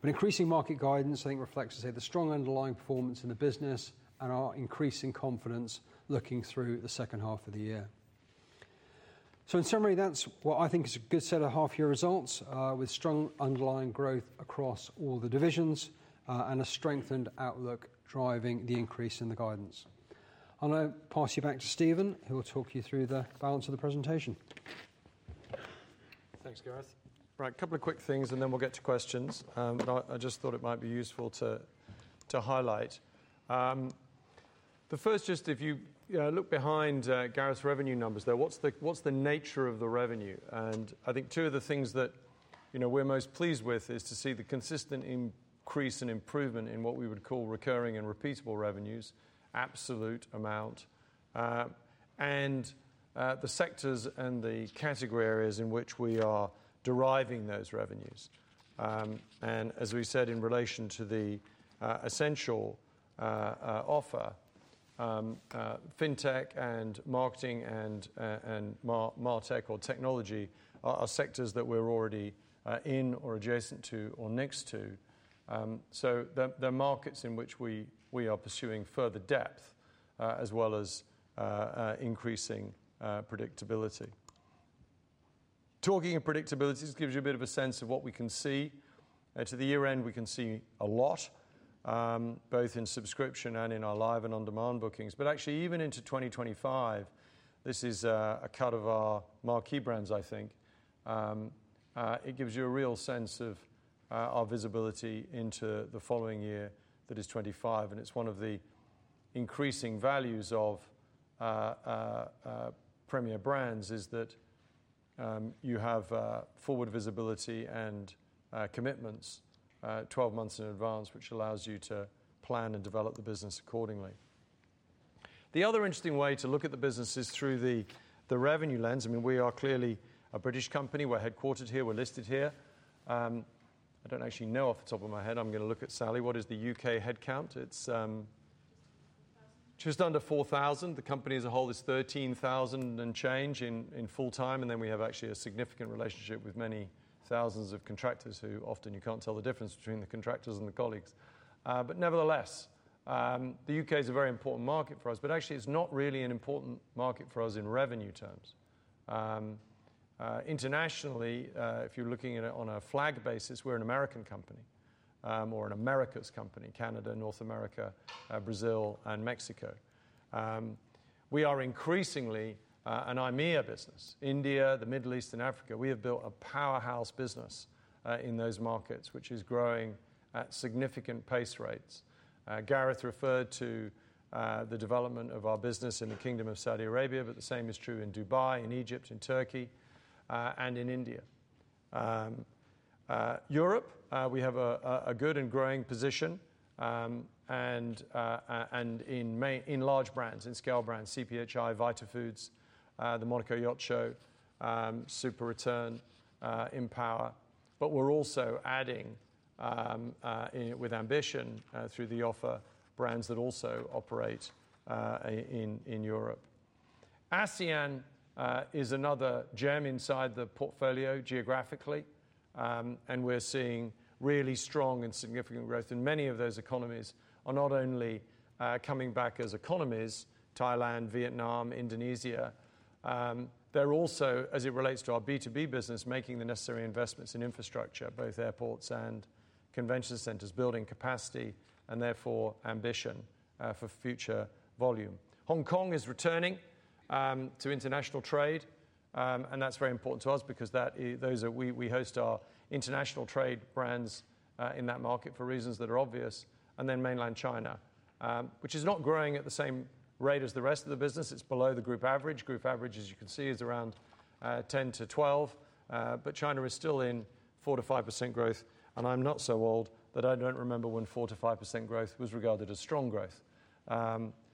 Speaker 2: But increasing market guidance, I think, reflects, as I say, the strong underlying performance in the business and our increasing confidence looking through the second half of the year. In summary, that's what I think is a good set of half year results, with strong underlying growth across all the divisions, and a strengthened outlook driving the increase in the guidance. I'll now pass you back to Stephen, who will talk you through the balance of the presentation.
Speaker 1: Thanks, Gareth. Right, a couple of quick things, and then we'll get to questions. I just thought it might be useful to highlight. The first, just if you look behind Gareth's revenue numbers, though, what's the nature of the revenue? And I think two of the things that, you know, we're most pleased with is to see the consistent increase and improvement in what we would call recurring and repeatable revenues, absolute amount, and the sectors and the category areas in which we are deriving those revenues. And as we said, in relation to the Ascential offer, fintech and marketing and martech or technology are sectors that we're already in or adjacent to or next to. So they're markets in which we are pursuing further depth, as well as increasing predictability. Talking of predictability, this gives you a bit of a sense of what we can see. To the year-end, we can see a lot, both in subscription and in our live and on-demand bookings. But actually, even into 2025, this is a cut of our Marquee Brands, I think. It gives you a real sense of our visibility into the following year, that is 2025. And it's one of the increasing values of premier brands is that you have forward visibility and commitments 12 months in advance, which allows you to plan and develop the business accordingly. The other interesting way to look at the business is through the revenue lens. I mean, we are clearly a British company. We're headquartered here. We're listed here. I don't actually know off the top of my head. I'm going to look at Sally. What is the U.K. headcount? It's just under 4,000. The company as a whole is 13,000 and change in full-time. And then we have actually a significant relationship with many thousands of contractors who often you can't tell the difference between the contractors and the colleagues. But nevertheless, the U.K. is a very important market for us, but actually it's not really an important market for us in revenue terms. Internationally, if you're looking at it on a flag basis, we're an American company, or an Americas company, Canada, North America, Brazil, and Mexico. We are increasingly an IMEA business, India, the Middle East, and Africa. We have built a powerhouse business in those markets, which is growing at significant pace rates. Gareth referred to the development of our business in the Kingdom of Saudi Arabia, but the same is true in Dubai, in Egypt, in Turkey, and in India. Europe, we have a good and growing position, and in large brands, in scale brands, CPHI, Vitafoods, the Monaco Yacht Show, SuperReturn, IMpower. But we're also adding with ambition through the offer brands that also operate in Europe. ASEAN is another gem inside the portfolio geographically. And we're seeing really strong and significant growth, and many of those economies are not only coming back as economies, Thailand, Vietnam, Indonesia, they're also, as it relates to our B2B business, making the necessary investments in infrastructure, both airports and convention centers, building capacity and therefore ambition for future volume. Hong Kong is returning to international trade, and that's very important to us because those are, we host our international trade brands in that market for reasons that are obvious. And then Mainland China, which is not growing at the same rate as the rest of the business. It's below the group average. Group average, as you can see, is around 10-12, but China is still in 4%-5% growth, and I'm not so old that I don't remember when 4%-5% growth was regarded as strong growth.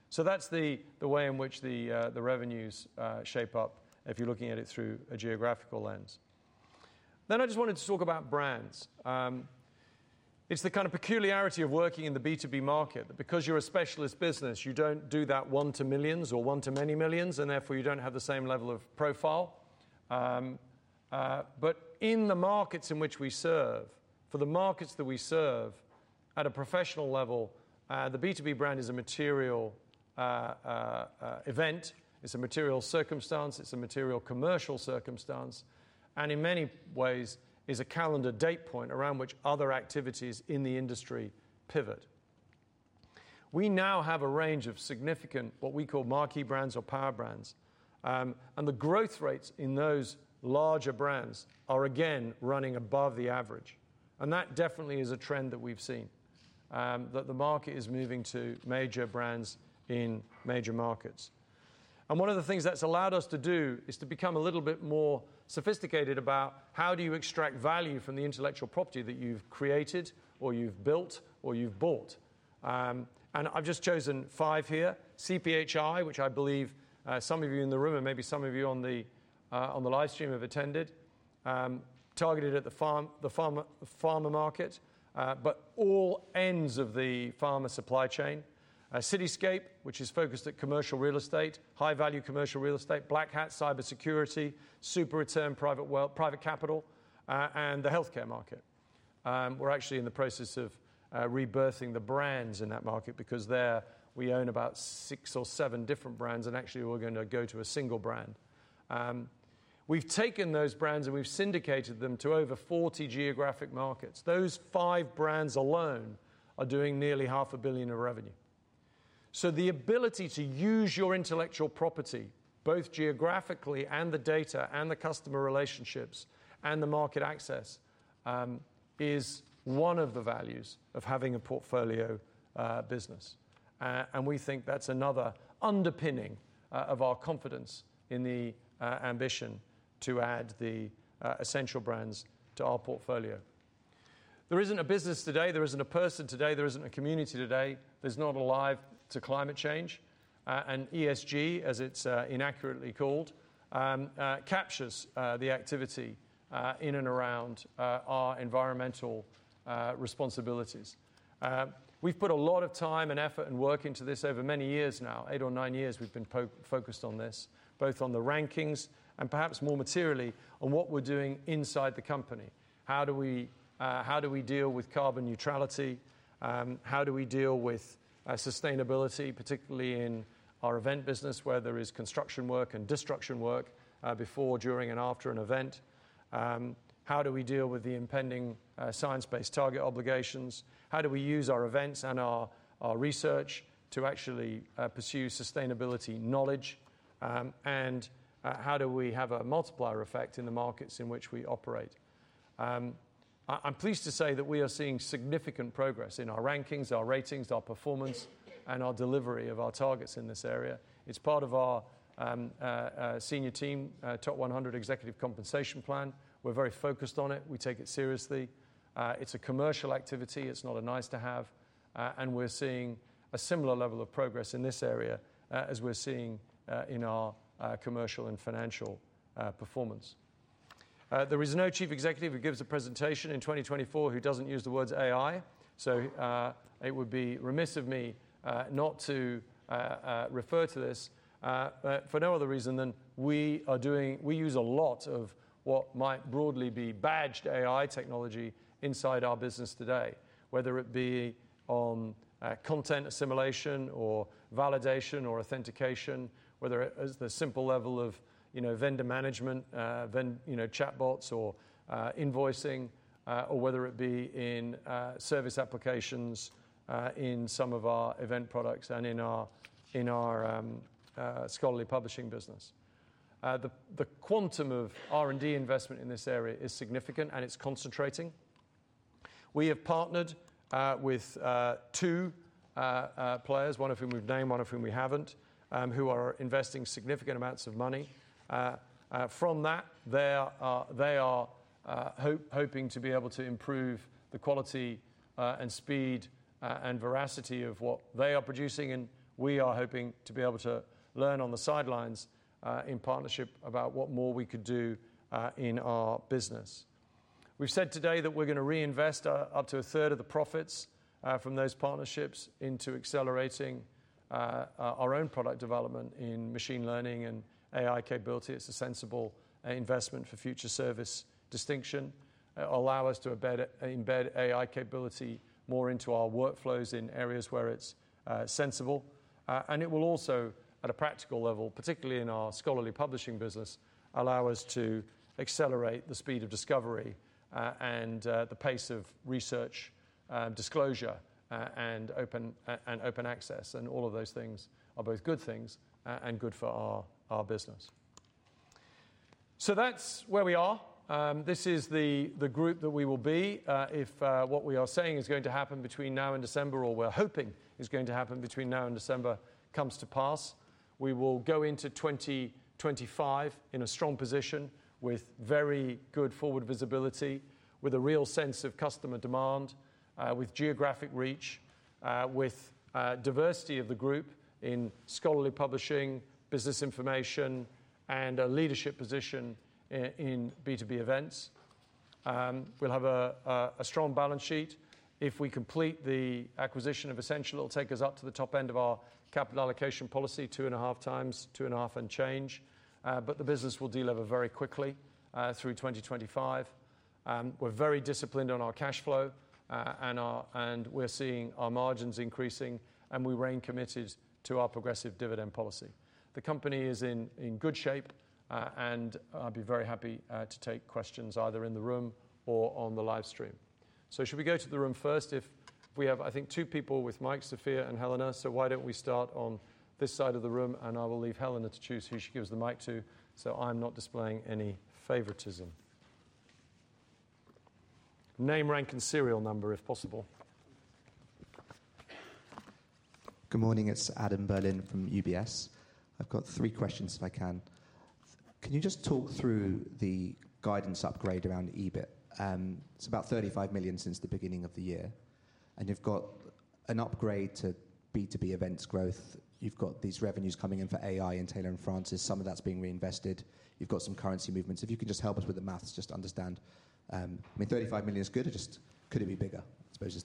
Speaker 1: So that's the way in which the revenues shape up if you're looking at it through a geographical lens. Then I just wanted to talk about brands. It's the kind of peculiarity of working in the B2B market, that because you're a specialist business, you don't do that one to millions or one to many millions, and therefore you don't have the same level of profile. But in the markets in which we serve, for the markets that we serve at a professional level, the B2B brand is a material event. It's a material circumstance, it's a material commercial circumstance, and in many ways is a calendar date point around which other activities in the industry pivot. We now have a range of significant, what we call Marquee Brands or Power Brands. The growth rates in those larger brands are again running above the average. That definitely is a trend that we've seen, that the market is moving to major brands in major markets. One of the things that's allowed us to do is to become a little bit more sophisticated about how do you extract value from the intellectual property that you've created or you've built or you've bought? I've just chosen five here. CPHI, which I believe, some of you in the room and maybe some of you on the, on the live stream have attended. Targeted at the pharma, pharma market, but all ends of the pharma supply chain. Cityscape, which is focused at commercial real estate, high-value commercial real estate. Black Hat, cybersecurity. SuperReturn, private capital, and the healthcare market. We're actually in the process of rebirthing the brands in that market because there we own about six or seven different brands, and actually, we're gonna go to a single brand. We've taken those brands, and we've syndicated them to over 40 geographic markets. Those five brands alone are doing nearly 500 million in revenue. So the ability to use your intellectual property, both geographically and the data, and the customer relationships, and the market access, is one of the values of having a portfolio business. And we think that's another underpinning of our confidence in the ambition to add the Ascential brands to our portfolio. There isn't a business today, there isn't a person today, there isn't a community today that's not alive to climate change. And ESG, as it's inaccurately called, captures the activity in and around our environmental responsibilities. We've put a lot of time and effort and work into this over many years now. Eight or nine years we've been focused on this, both on the rankings and perhaps more materially, on what we're doing inside the company. How do we deal with carbon neutrality? How do we deal with sustainability, particularly in our event business, where there is construction work and destruction work before, during, and after an event? How do we deal with the impending science-based target obligations? How do we use our events and our, our research to actually pursue sustainability knowledge? And how do we have a multiplier effect in the markets in which we operate? I'm pleased to say that we are seeing significant progress in our rankings, our ratings, our performance, and our delivery of our targets in this area. It's part of our senior team top 100 executive compensation plan. We're very focused on it. We take it seriously. It's a commercial activity. It's not a nice-to-have, and we're seeing a similar level of progress in this area, as we're seeing in our commercial and financial performance. There is no Chief Executive who gives a presentation in 2024 who doesn't use the words AI. So, it would be remiss of me not to refer to this, but for no other reason than we are doing - we use a lot of what might broadly be badged AI technology inside our business today. Whether it be on content assimilation or validation or authentication, whether at the simple level of, you know, vendor management, you know, chatbots or invoicing, or whether it be in service applications in some of our event products and in our scholarly publishing business. The quantum of R&D investment in this area is significant, and it's concentrating. We have partnered with two players, one of whom we've named, one of whom we haven't, who are investing significant amounts of money. From that, they are hoping to be able to improve the quality and speed and veracity of what they are producing, and we are hoping to be able to learn on the sidelines in partnership about what more we could do in our business. We've said today that we're gonna reinvest up to a third of the profits from those partnerships into accelerating our own product development in machine learning and AI capability. It's a sensible investment for future service distinction. Allow us to embed AI capability more into our workflows in areas where it's sensible. And it will also, at a practical level, particularly in our scholarly publishing business, allow us to accelerate the speed of discovery, and the pace of research, disclosure, and open access, and all of those things are both good things and good for our business. So that's where we are. This is the group that we will be, if what we are saying is going to happen between now and December, or we're hoping is going to happen between now and December, comes to pass. We will go into 2025 in a strong position with very good forward visibility, with a real sense of customer demand, with geographic reach, with diversity of the group in scholarly publishing, business information, and a leadership position in B2B events. We'll have a strong balance sheet. If we complete the acquisition of Ascential, it'll take us up to the top end of our capital allocation policy, 2.5x, 2.5, and change. But the business will deliver very quickly through 2025. We're very disciplined on our cash flow, and we're seeing our margins increasing, and we remain committed to our progressive dividend policy. The company is in good shape, and I'd be very happy to take questions either in the room or on the live stream. So should we go to the room first? If we have, I think, two people with mics, Sophia and Helena. Why don't we start on this side of the room, and I will leave Helena to choose who she gives the mic to, so I'm not displaying any favoritism. Name, rank, and serial number, if possible.
Speaker 3: Good morning. It's Adam Berlin from UBS. I've got three questions, if I can. Can you just talk through the guidance upgrade around EBIT? It's about 35 million since the beginning of the year, and you've got an upgrade to B2B events growth. You've got these revenues coming in for AI and Taylor & Francis. Some of that's being reinvested. You've got some currency movements. If you can just help us with the math, just to understand... I mean, 35 million is good or just could it be bigger? I suppose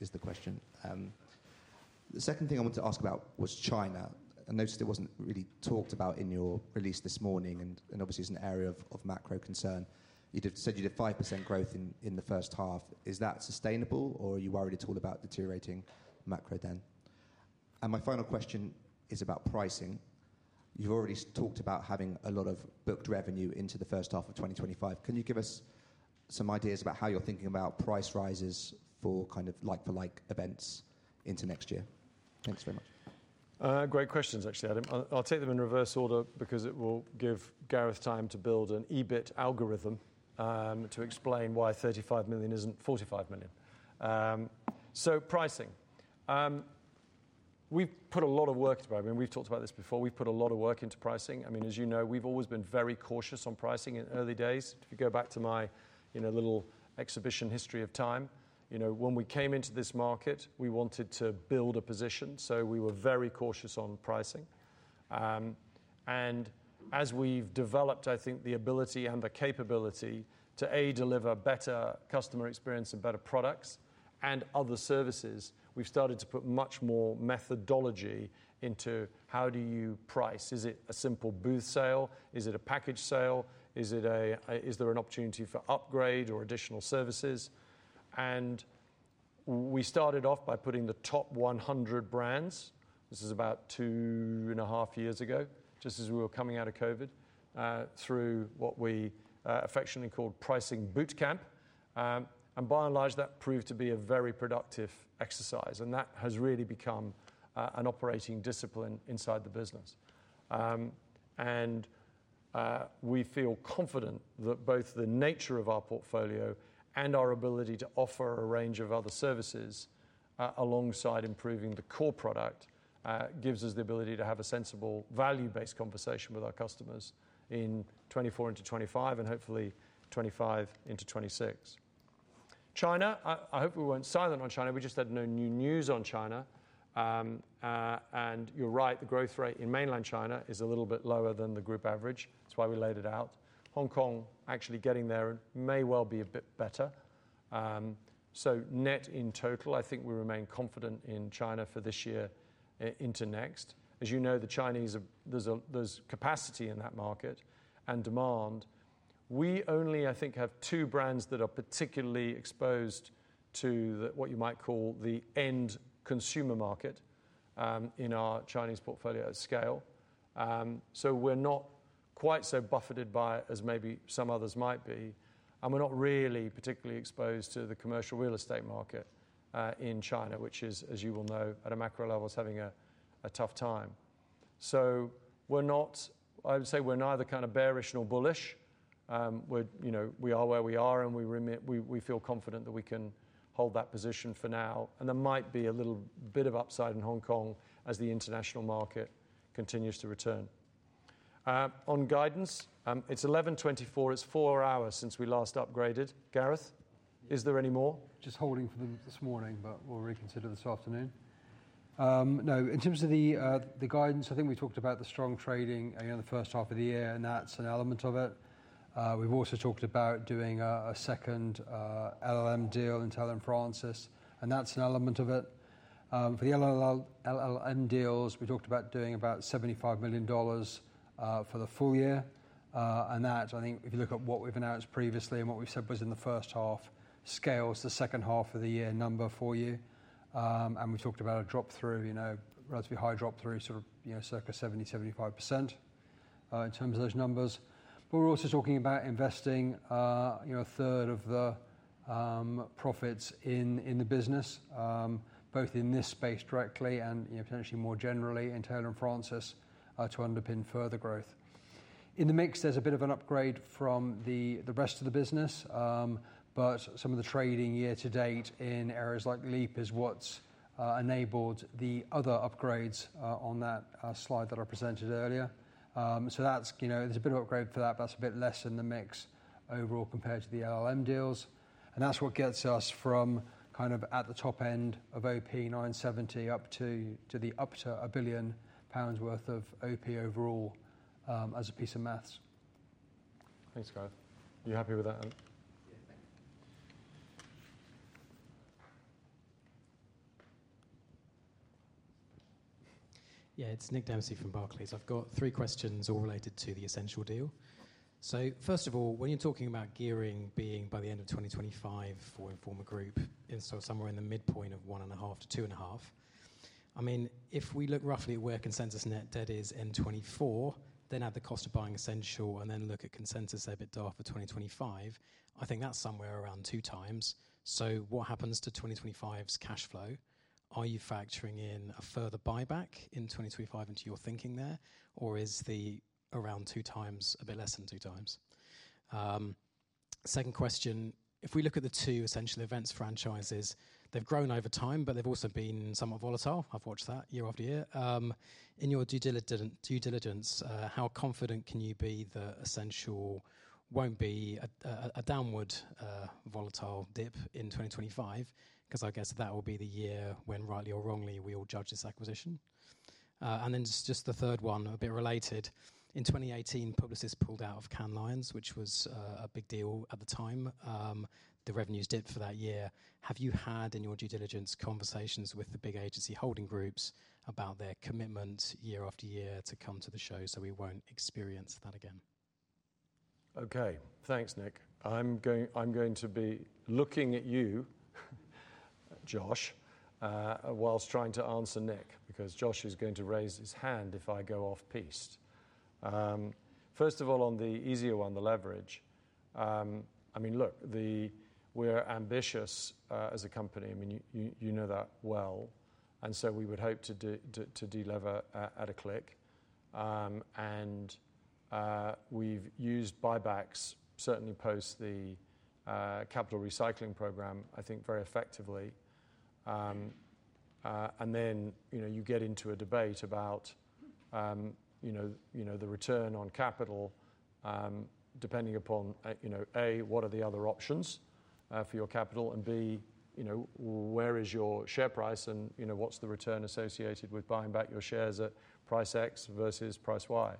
Speaker 3: is the question. The second thing I wanted to ask about was China. I noticed it wasn't really talked about in your release this morning and obviously is an area of macro concern. You said you did 5% growth in the first half. Is that sustainable or are you worried at all about deteriorating macro then? And my final question is about pricing. You've already talked about having a lot of booked revenue into the first half of 2025. Can you give us some ideas about how you're thinking about price rises for kind of like-for-like events into next year? Thanks very much.
Speaker 1: Great questions actually, Adam. I'll take them in reverse order because it will give Gareth time to build an EBIT algorithm to explain why 35 million isn't 45 million. So pricing. We've put a lot of work into it. I mean, we've talked about this before. We've put a lot of work into pricing. I mean, as you know, we've always been very cautious on pricing in early days. If you go back to my, you know, little exhibition history of time, you know, when we came into this market, we wanted to build a position, so we were very cautious on pricing. And as we've developed, I think the ability and the capability to, A, deliver better customer experience and better products and other services, we've started to put much more methodology into how do you price? Is it a simple booth sale? Is it a package sale? Is there an opportunity for upgrade or additional services? And we started off by putting the top 100 brands. This is about 2.5 years ago, just as we were coming out of COVID, through what we affectionately called Pricing Bootcamp. And by and large, that proved to be a very productive exercise, and that has really become an operating discipline inside the business. We feel confident that both the nature of our portfolio and our ability to offer a range of other services, alongside improving the core product, gives us the ability to have a sensible, value-based conversation with our customers in 2024 into 2025 and hopefully 2025 into 2026. China, I hope we weren't silent on China. We just had no new news on China. And you're right, the growth rate in mainland China is a little bit lower than the group average. That's why we laid it out. Hong Kong, actually getting there, may well be a bit better. So net in total, I think we remain confident in China for this year into next. As you know, the Chinese, there's capacity in that market and demand. We only, I think, have two brands that are particularly exposed to the, what you might call the end consumer market, in our Chinese portfolio scale. So we're not quite so buffeted by it as maybe some others might be, and we're not really particularly exposed to the commercial real estate market, in China, which is, as you well know, at a macro level, having a tough time. So we're not, I would say we're neither kind of bearish nor bullish. We're, you know, we are where we are, and we remain, we feel confident that we can hold that position for now, and there might be a little bit of upside in Hong Kong as the international market continues to return. On guidance, it's 1,124. It's 4 hours since we last upgraded. Gareth, is there any more?
Speaker 2: Just holding for them this morning, but we'll reconsider this afternoon. No, in terms of the guidance, I think we talked about the strong trading, again, in the first half of the year, and that's an element of it. We've also talked about doing a second LLM deal in Taylor & Francis, and that's an element of it. For the LLM deals, we talked about doing about $75 million for the full year. And that, I think if you look at what we've announced previously and what we've said was in the first half, scales the second half of the year number for you. We talked about a drop-through, you know, relatively high drop-through, sort of, you know, circa 70%-75%, in terms of those numbers. But we're also talking about investing, you know, a third of the profits in, in the business, both in this space directly and, you know, potentially more generally in Taylor & Francis, to underpin further growth. In the mix, there's a bit of an upgrade from the, the rest of the business, but some of the trading year to date in areas like LEAP is what's enabled the other upgrades, on that slide that I presented earlier. So that's, you know, there's a bit of upgrade for that, but that's a bit less in the mix overall compared to the LLM deals. And that's what gets us from kind of at the top end of OP 970 up to, to the up to 1 billion pounds worth of OP overall, as a piece of maths.
Speaker 1: Thanks, Gareth. You happy with that?
Speaker 4: Yeah, it's Nick Dempsey from Barclays. I've got three questions, all related to the Ascential deal. So first of all, when you're talking about gearing being by the end of 2025 for Informa Group, and so somewhere in the midpoint of 1.5-2.5. I mean, if we look roughly where consensus net debt is in 2024, then add the cost of buying Ascential and then look at consensus EBITDA for 2025, I think that's somewhere around 2x. So what happens to 2025's cash flow? Are you factoring in a further buyback in 2025 into your thinking there, or is the around 2x a bit less than 2x? Second question, if we look at the two Ascential events franchises, they've grown over time, but they've also been somewhat volatile. I've watched that year after year. In your due diligence, how confident can you be that Ascential won't be a downward volatile dip in 2025? Because I guess that will be the year when, rightly or wrongly, we all judge this acquisition. And then just the third one, a bit related. In 2018, Publicis pulled out of Cannes Lions, which was a big deal at the time. The revenues dipped for that year. Have you had, in your due diligence, conversations with the big agency holding groups about their commitment year after year to come to the show, so we won't experience that again?
Speaker 1: Okay, thanks, Nick. I'm going, I'm going to be looking at you, Josh, whilst trying to answer Nick, because Josh is going to raise his hand if I go off piste. First of all, on the easier one, the leverage, I mean, look, we're ambitious as a company. I mean, you, you, you know that well, and so we would hope to delever at a clip. And then, you know, you get into a debate about, you know, the return on capital, depending upon, you know, A, what are the other options for your capital? And B, you know, where is your share price, and, you know, what's the return associated with buying back your shares at price X versus price Y?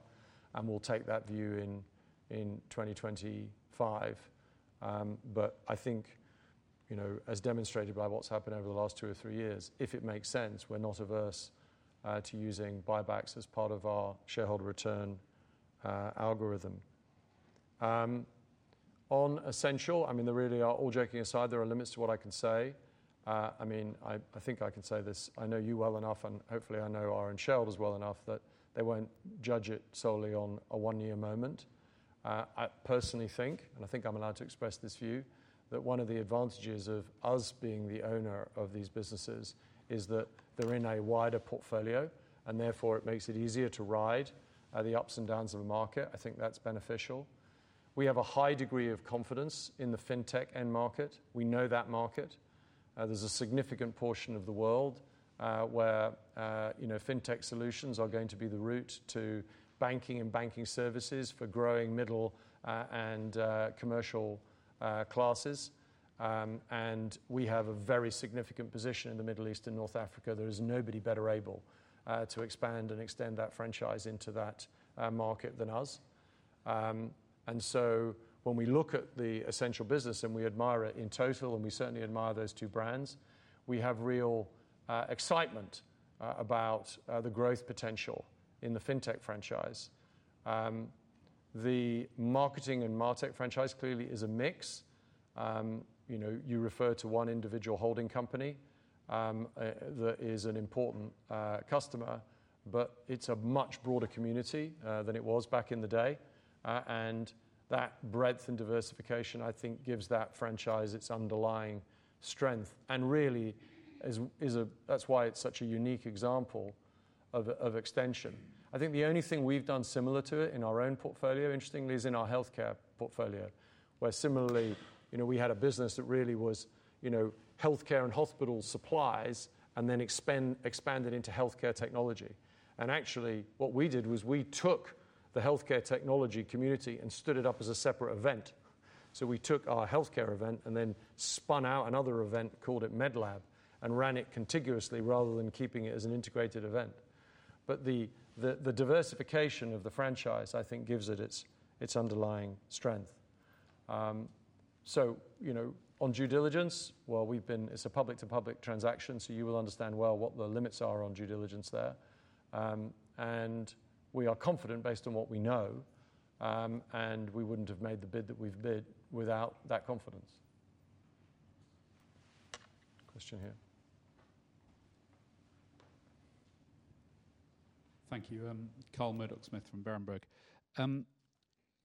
Speaker 1: And we'll take that view in 2025. But I think, you know, as demonstrated by what's happened over the last 2 or 3 years, if it makes sense, we're not averse to using buybacks as part of our shareholder return algorithm. On Ascential, I mean, there really are, all joking aside, there are limits to what I can say. I mean, I think I can say this, I know you well enough, and hopefully, I know our shareholders as well enough that they won't judge it solely on a 1-year moment. I personally think, and I think I'm allowed to express this view, that one of the advantages of us being the owner of these businesses is that they're in a wider portfolio, and therefore it makes it easier to ride the ups and downs of the market. I think that's beneficial. We have a high degree of confidence in the fintech end market. We know that market. There's a significant portion of the world where, you know, fintech solutions are going to be the route to banking and banking services for growing middle and commercial classes. And we have a very significant position in the Middle East and North Africa. There is nobody better able to expand and extend that franchise into that market than us. And so when we look at the Ascential business, and we admire it in total, and we certainly admire those two brands, we have real excitement about the growth potential in the fintech franchise. The marketing and martech franchise clearly is a mix. You know, you refer to one individual holding company, that is an important customer, but it's a much broader community than it was back in the day. And that breadth and diversification, I think, gives that franchise its underlying strength, and really is a-- that's why it's such a unique example of extension. I think the only thing we've done similar to it in our own portfolio, interestingly, is in our healthcare portfolio, where similarly, you know, we had a business that really was, you know, healthcare and hospital supplies and then expanded into healthcare technology. And actually, what we did was we took the healthcare technology community and stood it up as a separate event. So we took our healthcare event and then spun out another event, called it Medlab, and ran it contiguously rather than keeping it as an integrated event. But the diversification of the franchise, I think, gives it its underlying strength. So, you know, on due diligence, well, we've been. It's a public to public transaction, so you will understand well what the limits are on due diligence there. And we are confident based on what we know, and we wouldn't have made the bid that we've bid without that confidence. Question here.
Speaker 5: Thank you. Carl Murdock-Smith from Berenberg.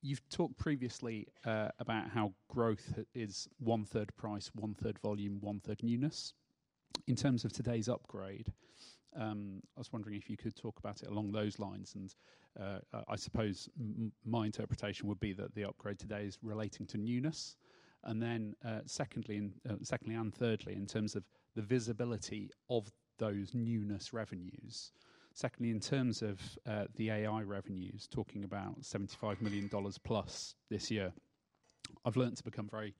Speaker 5: You've talked previously about how growth is 1/3 price, 1/3 volume, 1/3 newness. In terms of today's upgrade, I was wondering if you could talk about it along those lines. I suppose my interpretation would be that the upgrade today is relating to newness. And then, secondly and thirdly, in terms of the visibility of those newness revenues. Secondly, in terms of the AI revenues, talking about $75 million+ this year. I've learned to become very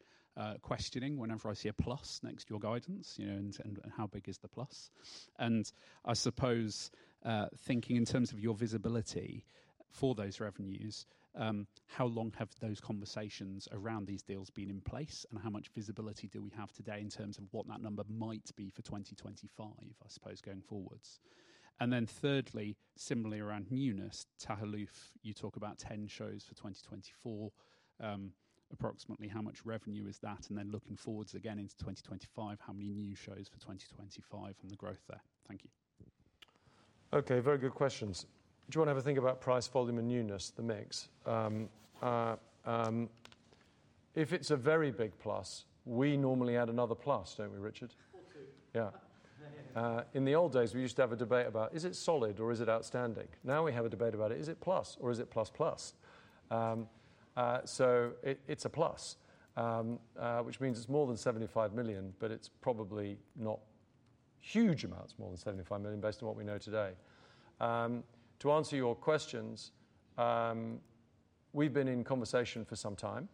Speaker 5: questioning whenever I see a plus next to your guidance, you know, and how big is the plus? I suppose, thinking in terms of your visibility for those revenues, how long have those conversations around these deals been in place, and how much visibility do we have today in terms of what that number might be for 2025, I suppose, going forwards? And then thirdly, similarly around newness, Tahaluf, you talk about 10 shows for 2024. Approximately how much revenue is that? And then looking forwards again into 2025, how many new shows for 2025 and the growth there? Thank you.
Speaker 1: Okay, very good questions. Do you want to have a think about price, volume, and newness, the mix? If it's a very big plus, we normally add another plus, don't we, Richard? Yeah. In the old days, we used to have a debate about is it solid or is it outstanding? Now we have a debate about it: is it plus or is it plus plus? So it, it's a plus, which means it's more than 75 million, but it's probably not huge amounts more than 75 million, based on what we know today. To answer your questions, we've been in conversation for some time,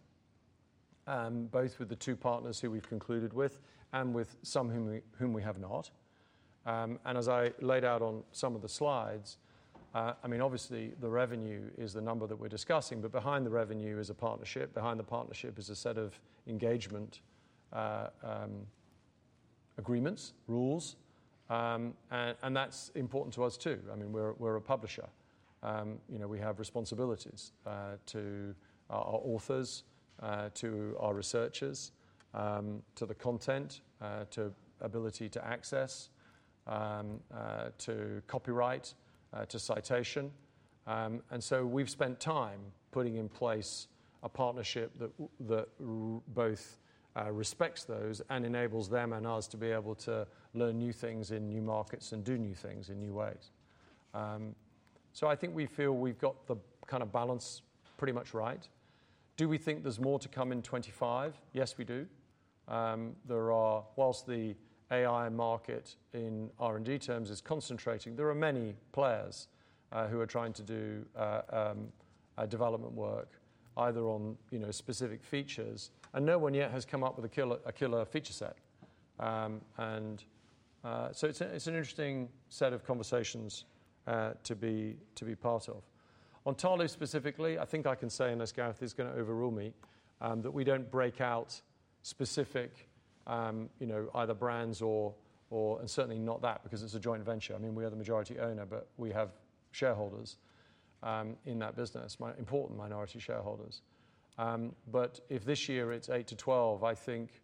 Speaker 1: both with the two partners who we've concluded with and with some whom we have not. As I laid out on some of the slides, I mean, obviously, the revenue is the number that we're discussing, but behind the revenue is a partnership. Behind the partnership is a set of engagement agreements, rules, and that's important to us, too. I mean, we're a publisher. You know, we have responsibilities to our authors to our researchers to the content to ability to access to copyright to citation. And so we've spent time putting in place a partnership that respects both those and enables them and us to be able to learn new things in new markets and do new things in new ways. So I think we feel we've got the kind of balance pretty much right. Do we think there's more to come in 2025? Yes, we do. There are. While the AI market in R&D terms is concentrating, there are many players who are trying to do development work either on, you know, specific features, and no one yet has come up with a killer, a killer feature set. And so it's an interesting set of conversations to be part of. On Tahaluf specifically, I think I can say, unless Gareth is going to overrule me, that we don't break out specific, you know, either brands or—and certainly not that, because it's a joint venture. I mean, we are the majority owner, but we have shareholders in that business, important minority shareholders. But if this year it's 8-12, I think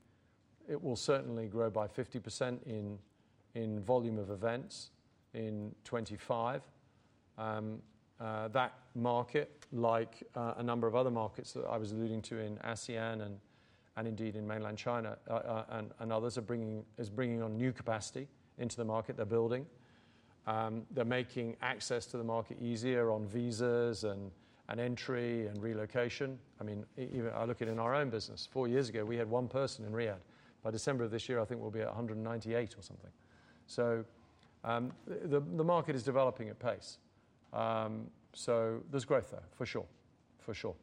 Speaker 1: it will certainly grow by 50% in volume of events in 2025. That market, like, a number of other markets that I was alluding to in ASEAN and, and indeed in mainland China, and, and others, are bringing, is bringing on new capacity into the market. They're building. They're making access to the market easier on visas and, and entry and relocation. I mean, even I look at in our own business, four years ago, we had one person in Riyadh. By December of this year, I think we'll be at 198 or something. So, the, the market is developing at pace. So there's growth there, for sure. For sure.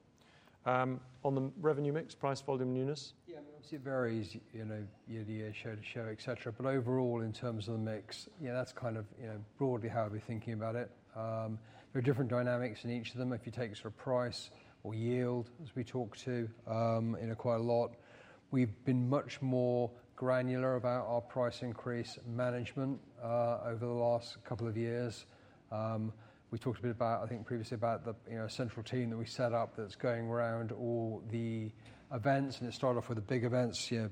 Speaker 1: On the revenue mix, price, volume, newness?
Speaker 2: Yeah, I mean, obviously it varies, you know, year to year, show to show, et cetera. But overall, in terms of the mix, yeah, that's kind of, you know, broadly how we're thinking about it. There are different dynamics in each of them. If you take us for price or yield, as we talk to, you know, quite a lot, we've been much more granular about our price increase management over the last couple of years. We talked a bit about, I think, previously about the, you know, central team that we set up that's going around all the events, and it started off with the big events, yeah,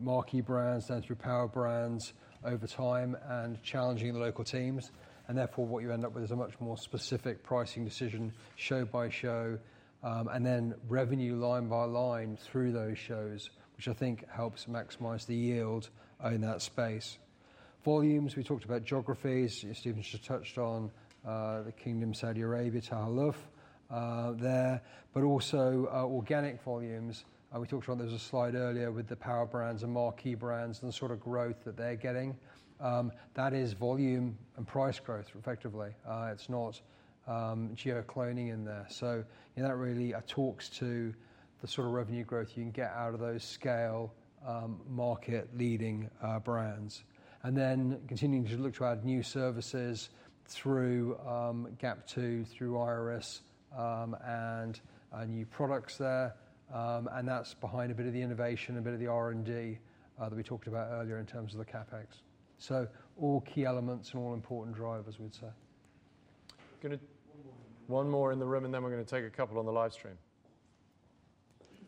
Speaker 2: Marquee Brands, then through Power Brands over time and challenging the local teams. Therefore, what you end up with is a much more specific pricing decision, show by show, and then revenue line by line through those shows, which I think helps maximize the yield in that space. Volumes, we talked about geographies. Stephen just touched on the Kingdom of Saudi Arabia, Tahaluf there, but also organic volumes. We talked about there was a slide earlier with Power Brands and Marquee Brands and the sort of growth that they're getting. That is volume and price growth, effectively. It's not geo cloning in there. So, you know, that really talks to the sort of revenue growth you can get out of those scale, market-leading brands. And then continuing to look to add new services through GAP II, through IIRIS, and new products there. And that's behind a bit of the innovation, a bit of the R&D, that we talked about earlier in terms of the CapEx. So all key elements and all important drivers, we'd say.
Speaker 1: Gonna- One more in the room. One more in the room, and then we're gonna take a couple on the live stream.
Speaker 6: Thank you.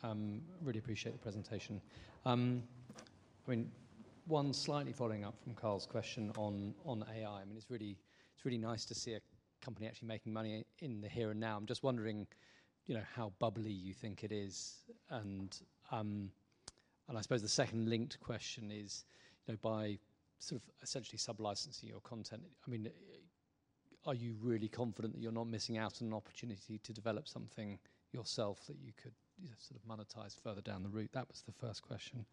Speaker 6: Tom, from Citi. Really appreciate the presentation. I mean, one slightly following up from Carl's question on AI. I mean, it's really, it's really nice to see a company actually making money in the here and now. I'm just wondering, you know, how bubbly you think it is? And, and I suppose the second linked question is, you know, by sort of essentially sublicensing your content, I mean, are you really confident that you're not missing out on an opportunity to develop something yourself that you could, you know, sort of monetize further down the route? That was the first question.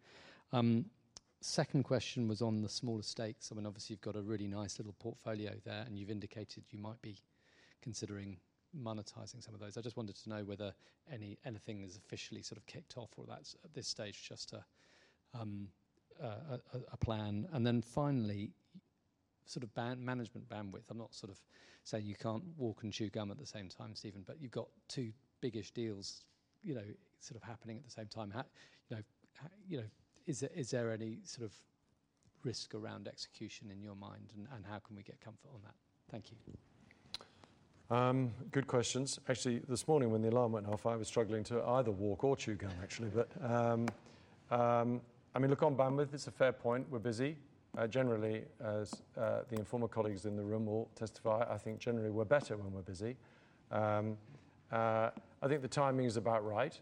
Speaker 6: Second question was on the smaller stakes. I mean, obviously, you've got a really nice little portfolio there, and you've indicated you might be considering monetizing some of those. I just wanted to know whether anything is officially sort of kicked off, or that's at this stage, just a plan. And then finally, sort of management bandwidth. I'm not sort of saying you can't walk and chew gum at the same time, Stephen, but you've got two biggish deals, you know, sort of happening at the same time. How, you know, is there any sort of risk around execution in your mind, and how can we get comfort on that? Thank you.
Speaker 1: Good questions. Actually, this morning when the alarm went off, I was struggling to either walk or chew gum, actually. But, I mean, look, on bandwidth, it's a fair point. We're busy. Generally, as the Informa colleagues in the room will testify, I think generally we're better when we're busy. I think the timing is about right.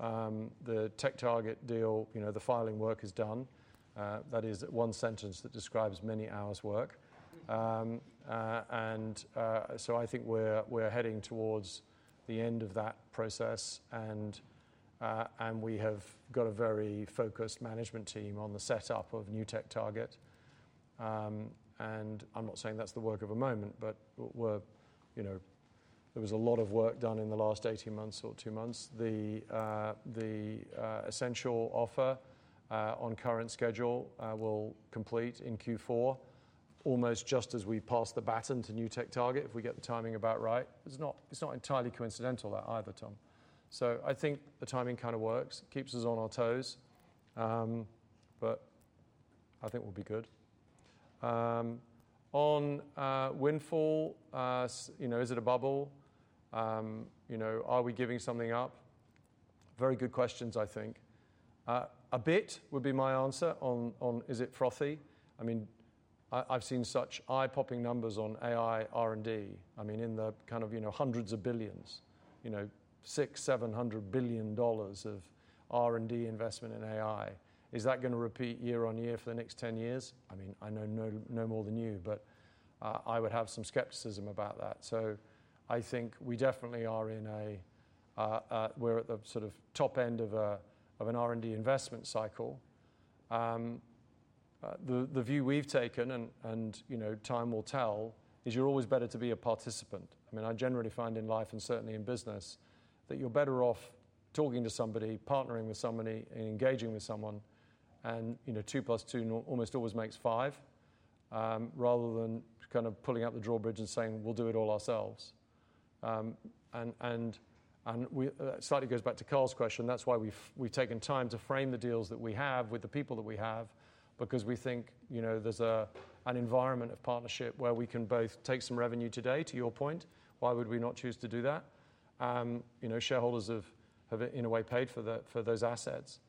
Speaker 1: The TechTarget deal, you know, the filing work is done. That is one sentence that describes many hours work. So I think we're heading towards the end of that process, and we have got a very focused management team on the setup of new TechTarget. And I'm not saying that's the work of a moment, but we're... You know, there was a lot of work done in the last 18 months or two months. The essential offer, on current schedule, will complete in Q4, almost just as we pass the baton to new TechTarget, if we get the timing about right. It's not, it's not entirely coincidental, that either, Tom. So I think the timing kind of works, keeps us on our toes, but I think we'll be good. On the AI side, you know, is it a bubble? You know, are we giving something up? Very good questions, I think. A bit would be my answer on, on, is it frothy? I mean, I, I've seen such eye-popping numbers on AI R&D. I mean, in the kind of, you know, hundreds of billions, you know, $600 billion-$700 billion of R&D investment in AI. Is that gonna repeat year on year for the next 10 years? I mean, I know no more than you, but I would have some skepticism about that. So I think we definitely are at the sort of top end of an R&D investment cycle. The view we've taken, and you know, time will tell, is you're always better to be a participant. I mean, I generally find in life, and certainly in business, that you're better off talking to somebody, partnering with somebody, and engaging with someone. And, you know, 2+2 almost always makes five, rather than kind of pulling up the drawbridge and saying, "We'll do it all ourselves." And we slightly goes back to Carl's question. That's why we've taken time to frame the deals that we have with the people that we have, because we think, you know, there's an environment of partnership where we can both take some revenue today, to your point. Why would we not choose to do that? You know, shareholders have in a way paid for those assets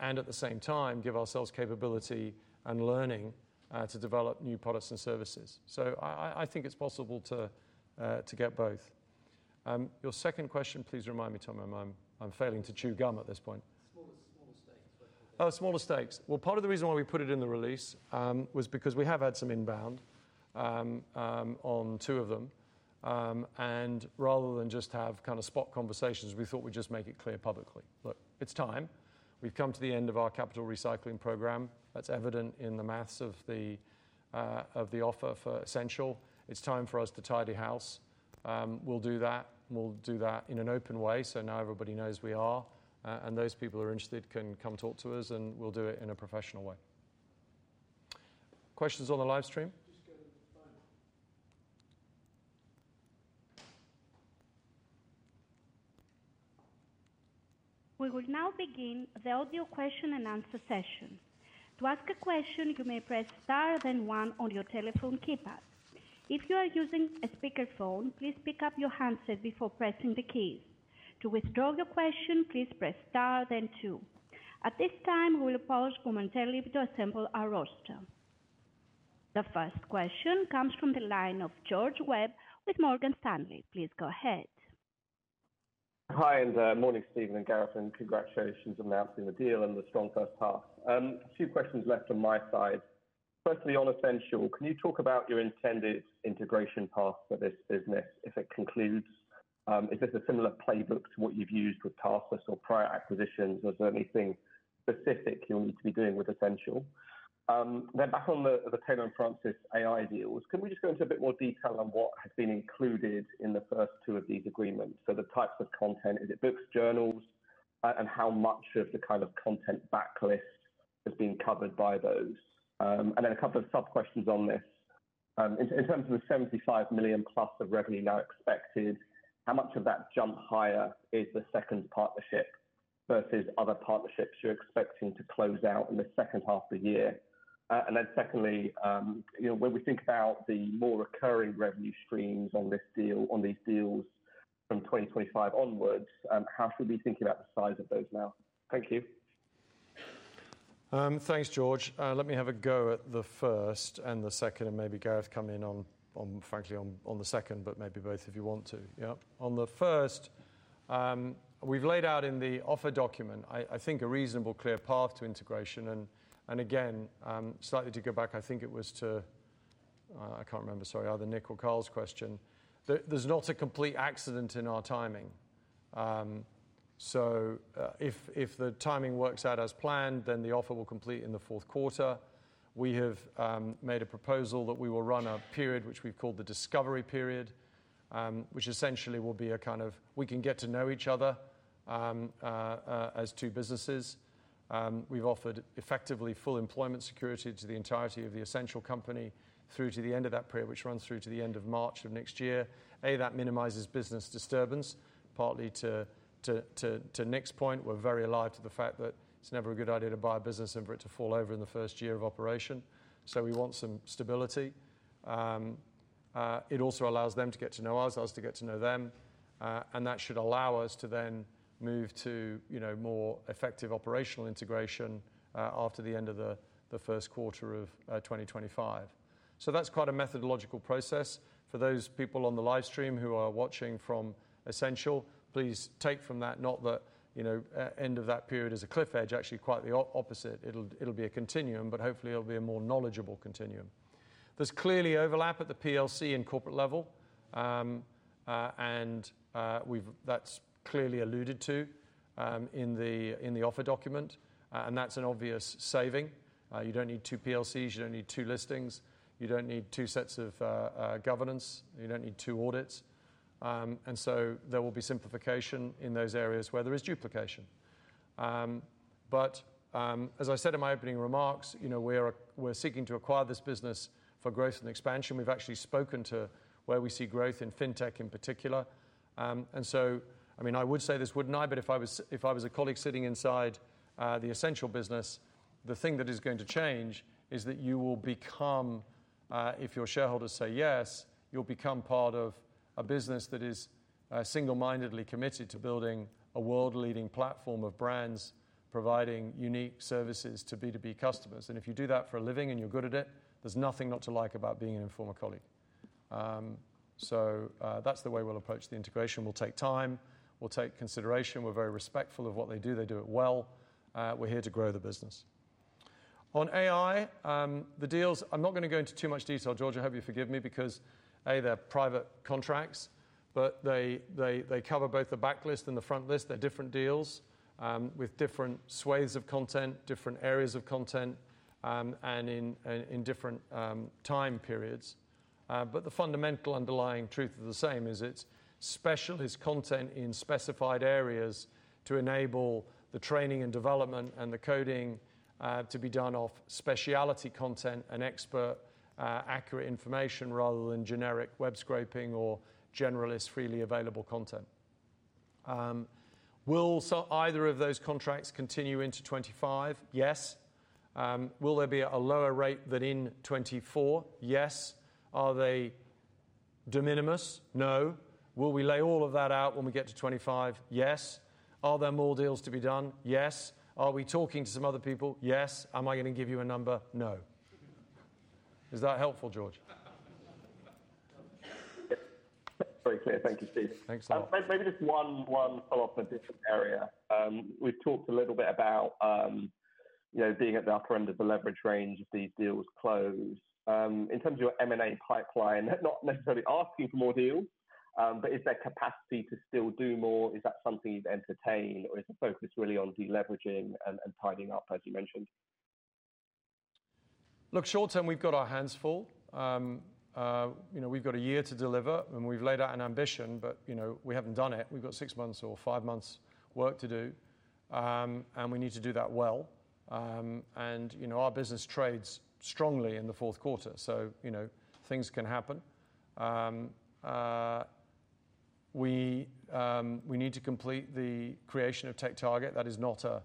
Speaker 1: and at the same time give ourselves capability and learning to develop new products and services. So I think it's possible to get both. Your second question, please remind me, Tom. I'm failing to chew gum at this point.
Speaker 6: Smaller, smaller stakes.
Speaker 1: Oh, smaller stakes. Well, part of the reason why we put it in the release was because we have had some inbound on two of them. And rather than just have kind of spot conversations, we thought we'd just make it clear publicly. Look, it's time. We've come to the end of our capital recycling program. That's evident in the math of the offer for Ascential. It's time for us to tidy house. We'll do that. We'll do that in an open way, so now everybody knows we are, and those people who are interested can come talk to us, and we'll do it in a professional way. Questions on the live stream?
Speaker 7: We will now begin the audio question and answer session. To ask a question, you may press star, then one on your telephone keypad. If you are using a speakerphone, please pick up your handset before pressing the keys. To withdraw your question, please press star, then two. At this time, we will pause momentarily to assemble our roster. The first question comes from the line of George Webb with Morgan Stanley. Please go ahead.
Speaker 8: Hi, and morning, Stephen and Gareth, and congratulations on announcing the deal and the strong first half. A few questions left on my side. Firstly, on Ascential, can you talk about your intended integration path for this business if it concludes? Is this a similar playbook to what you've used with Tarsus or prior acquisitions, or is there anything specific you'll need to be doing with Ascential? Then back on the Taylor & Francis AI deals, can we just go into a bit more detail on what has been included in the first two of these agreements? So the types of content, is it books, journals, and how much of the kind of content backlist has been covered by those? And then a couple of sub-questions on this. In terms of the 75 million+ of revenue now expected, how much of that jump higher is the second partnership versus other partnerships you're expecting to close out in the second half of the year? And then secondly, you know, when we think about the more recurring revenue streams on this deal, on these deals from 2025 onwards, how should we be thinking about the size of those now? Thank you.
Speaker 1: Thanks, George. Let me have a go at the first and the second, and maybe Gareth come in on, on, frankly, on, on the second, but maybe both, if you want to. Yeah. On the first, we've laid out in the offer document, I think, a reasonable, clear path to integration. And again, slightly to go back, I think it was to, I can't remember, sorry, either Nick or Carl's question. There's not a complete accident in our timing. So, if the timing works out as planned, then the offer will complete in the fourth quarter. We have made a proposal that we will run a period, which we've called the discovery period, which essentially will be a kind of, we can get to know each other, as two businesses. We've offered effectively full employment security to the entirety of the Ascential company through to the end of that period, which runs through to the end of March of next year. That minimizes business disturbance, partly to Nick's point, we're very alive to the fact that it's never a good idea to buy a business and for it to fall over in the first year of operation. So we want some stability. It also allows them to get to know us, us to get to know them, and that should allow us to then move to, you know, more effective operational integration, after the end of the first quarter of 2025. So that's quite a methodological process. For those people on the live stream who are watching from Ascential, please take from that, not that, you know, end of that period is a cliff edge, actually, quite the opposite. It'll, it'll be a continuum, but hopefully it'll be a more knowledgeable continuum. There's clearly overlap at the PLC and corporate level, and we've, that's clearly alluded to in the offer document, and that's an obvious saving. You don't need two PLCs, you don't need two listings, you don't need two sets of governance, you don't need two audits. And so there will be simplification in those areas where there is duplication. But, as I said in my opening remarks, you know, we're, we're seeking to acquire this business for growth and expansion. We've actually spoken to where we see growth in fintech in particular. And so, I mean, I would say this, wouldn't I? But if I was a colleague sitting inside the Ascential business, the thing that is going to change is that you will become, if your shareholders say yes, you'll become part of a business that is single-mindedly committed to building a world-leading platform of brands, providing unique services to B2B customers. And if you do that for a living and you're good at it, there's nothing not to like about being an Informa colleague. So, that's the way we'll approach the integration, we'll take time, we'll take consideration. We're very respectful of what they do, they do it well. We're here to grow the business. On AI, the deals, I'm not gonna go into too much detail, George, I hope you forgive me, because, A, they're private contracts, but they cover both the backlist and the frontlist. They're different deals, with different sways of content, different areas of content, and in different time periods. But the fundamental underlying truth is the same, is it's specialist content in specified areas to enable the training and development and the coding to be done off specialty content and expert accurate information, rather than generic web scraping or generalist, freely available content. Will either of those contracts continue into 2025? Yes. Will there be a lower rate than in 2024? Yes. Are they de minimis? No. Will we lay all of that out when we get to 2025? Yes. Are there more deals to be done? Yes. Are we talking to some other people? Yes. Am I gonna give you a number? No. Is that helpful, George?
Speaker 8: Yep. Very clear. Thank you, Steve.
Speaker 1: Thanks a lot.
Speaker 8: Maybe just one follow-up a different area. We've talked a little bit about, you know, being at the upper end of the leverage range if these deals close. In terms of your M&A pipeline, not necessarily asking for more deals, but is there capacity to still do more? Is that something you'd entertain, or is the focus really on deleveraging and tidying up, as you mentioned?
Speaker 1: Look, short term, we've got our hands full. You know, we've got a year to deliver, and we've laid out an ambition, but, you know, we haven't done it. We've got six months or five months work to do, and we need to do that well. You know, our business trades strongly in the fourth quarter, so, you know, things can happen. We need to complete the creation of TechTarget. That is not the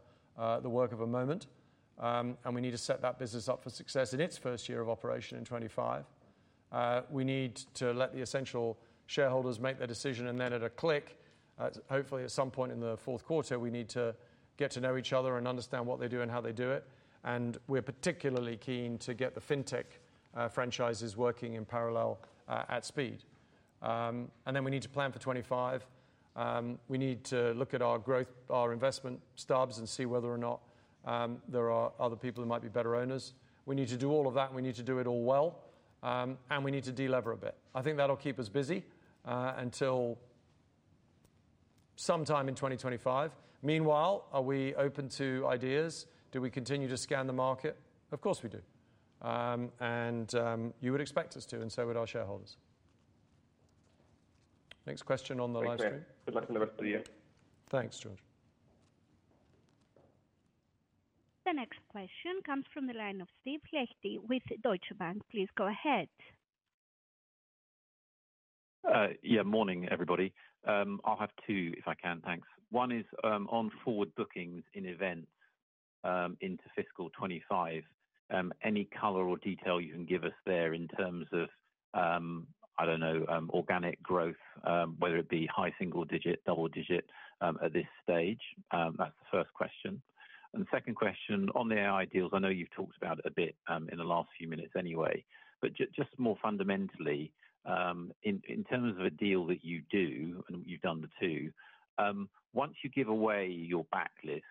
Speaker 1: work of a moment. And we need to set that business up for success in its first year of operation in 2025. We need to let the Ascential shareholders make their decision, and then at a click, hopefully, at some point in the fourth quarter, we need to get to know each other and understand what they do and how they do it. We're particularly keen to get the fintech franchises working in parallel, at speed, and then we need to plan for 25. We need to look at our growth, our investment stubs, and see whether or not there are other people who might be better owners. We need to do all of that, and we need to do it all well, and we need to delever a bit. I think that'll keep us busy, until sometime in 2025. Meanwhile, are we open to ideas? Do we continue to scan the market? Of course, we do. You would expect us to, and so would our shareholders. Next question on the live stream.
Speaker 8: Great. Good luck on the rest of the year.
Speaker 1: Thanks, George.
Speaker 7: The next question comes from the line of Steve Liechti with Deutsche Bank. Please go ahead.
Speaker 9: Yeah, morning, everybody. I'll have two if I can, thanks. One is on forward bookings in events into fiscal 2025. Any color or detail you can give us there in terms of, I don't know, organic growth, whether it be high single digit, double digit, at this stage? That's the first question. And the second question on the AI deals, I know you've talked about it a bit in the last few minutes anyway, but just more fundamentally, in terms of a deal that you do, and you've done the two, once you give away your backlist,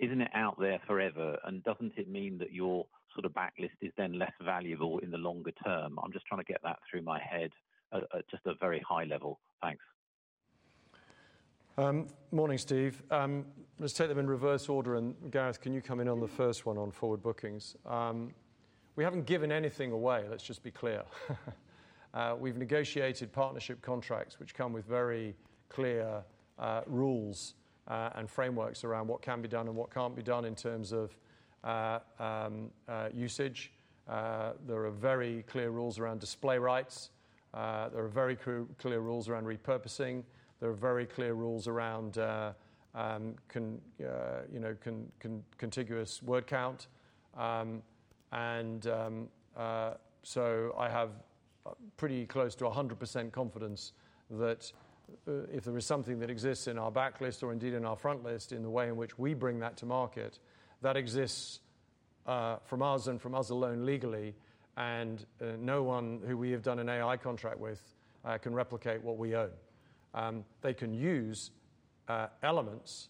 Speaker 9: isn't it out there forever? And doesn't it mean that your sort of backlist is then less valuable in the longer term? I'm just trying to get that through my head at just a very high level. Thanks.
Speaker 1: Morning, Steve. Let's take them in reverse order. And Gareth, can you come in on the first one on forward bookings? We haven't given anything away. Let's just be clear. We've negotiated partnership contracts, which come with very clear rules and frameworks around what can be done and what can't be done in terms of usage. There are very clear rules around display rights. There are very clear rules around repurposing. There are very clear rules around, you know, contiguous word count. So I have pretty close to 100% confidence that if there is something that exists in our backlist or indeed in our front list, in the way in which we bring that to market, that exists from us and from us alone, legally, and no one who we have done an AI contract with can replicate what we own. They can use elements,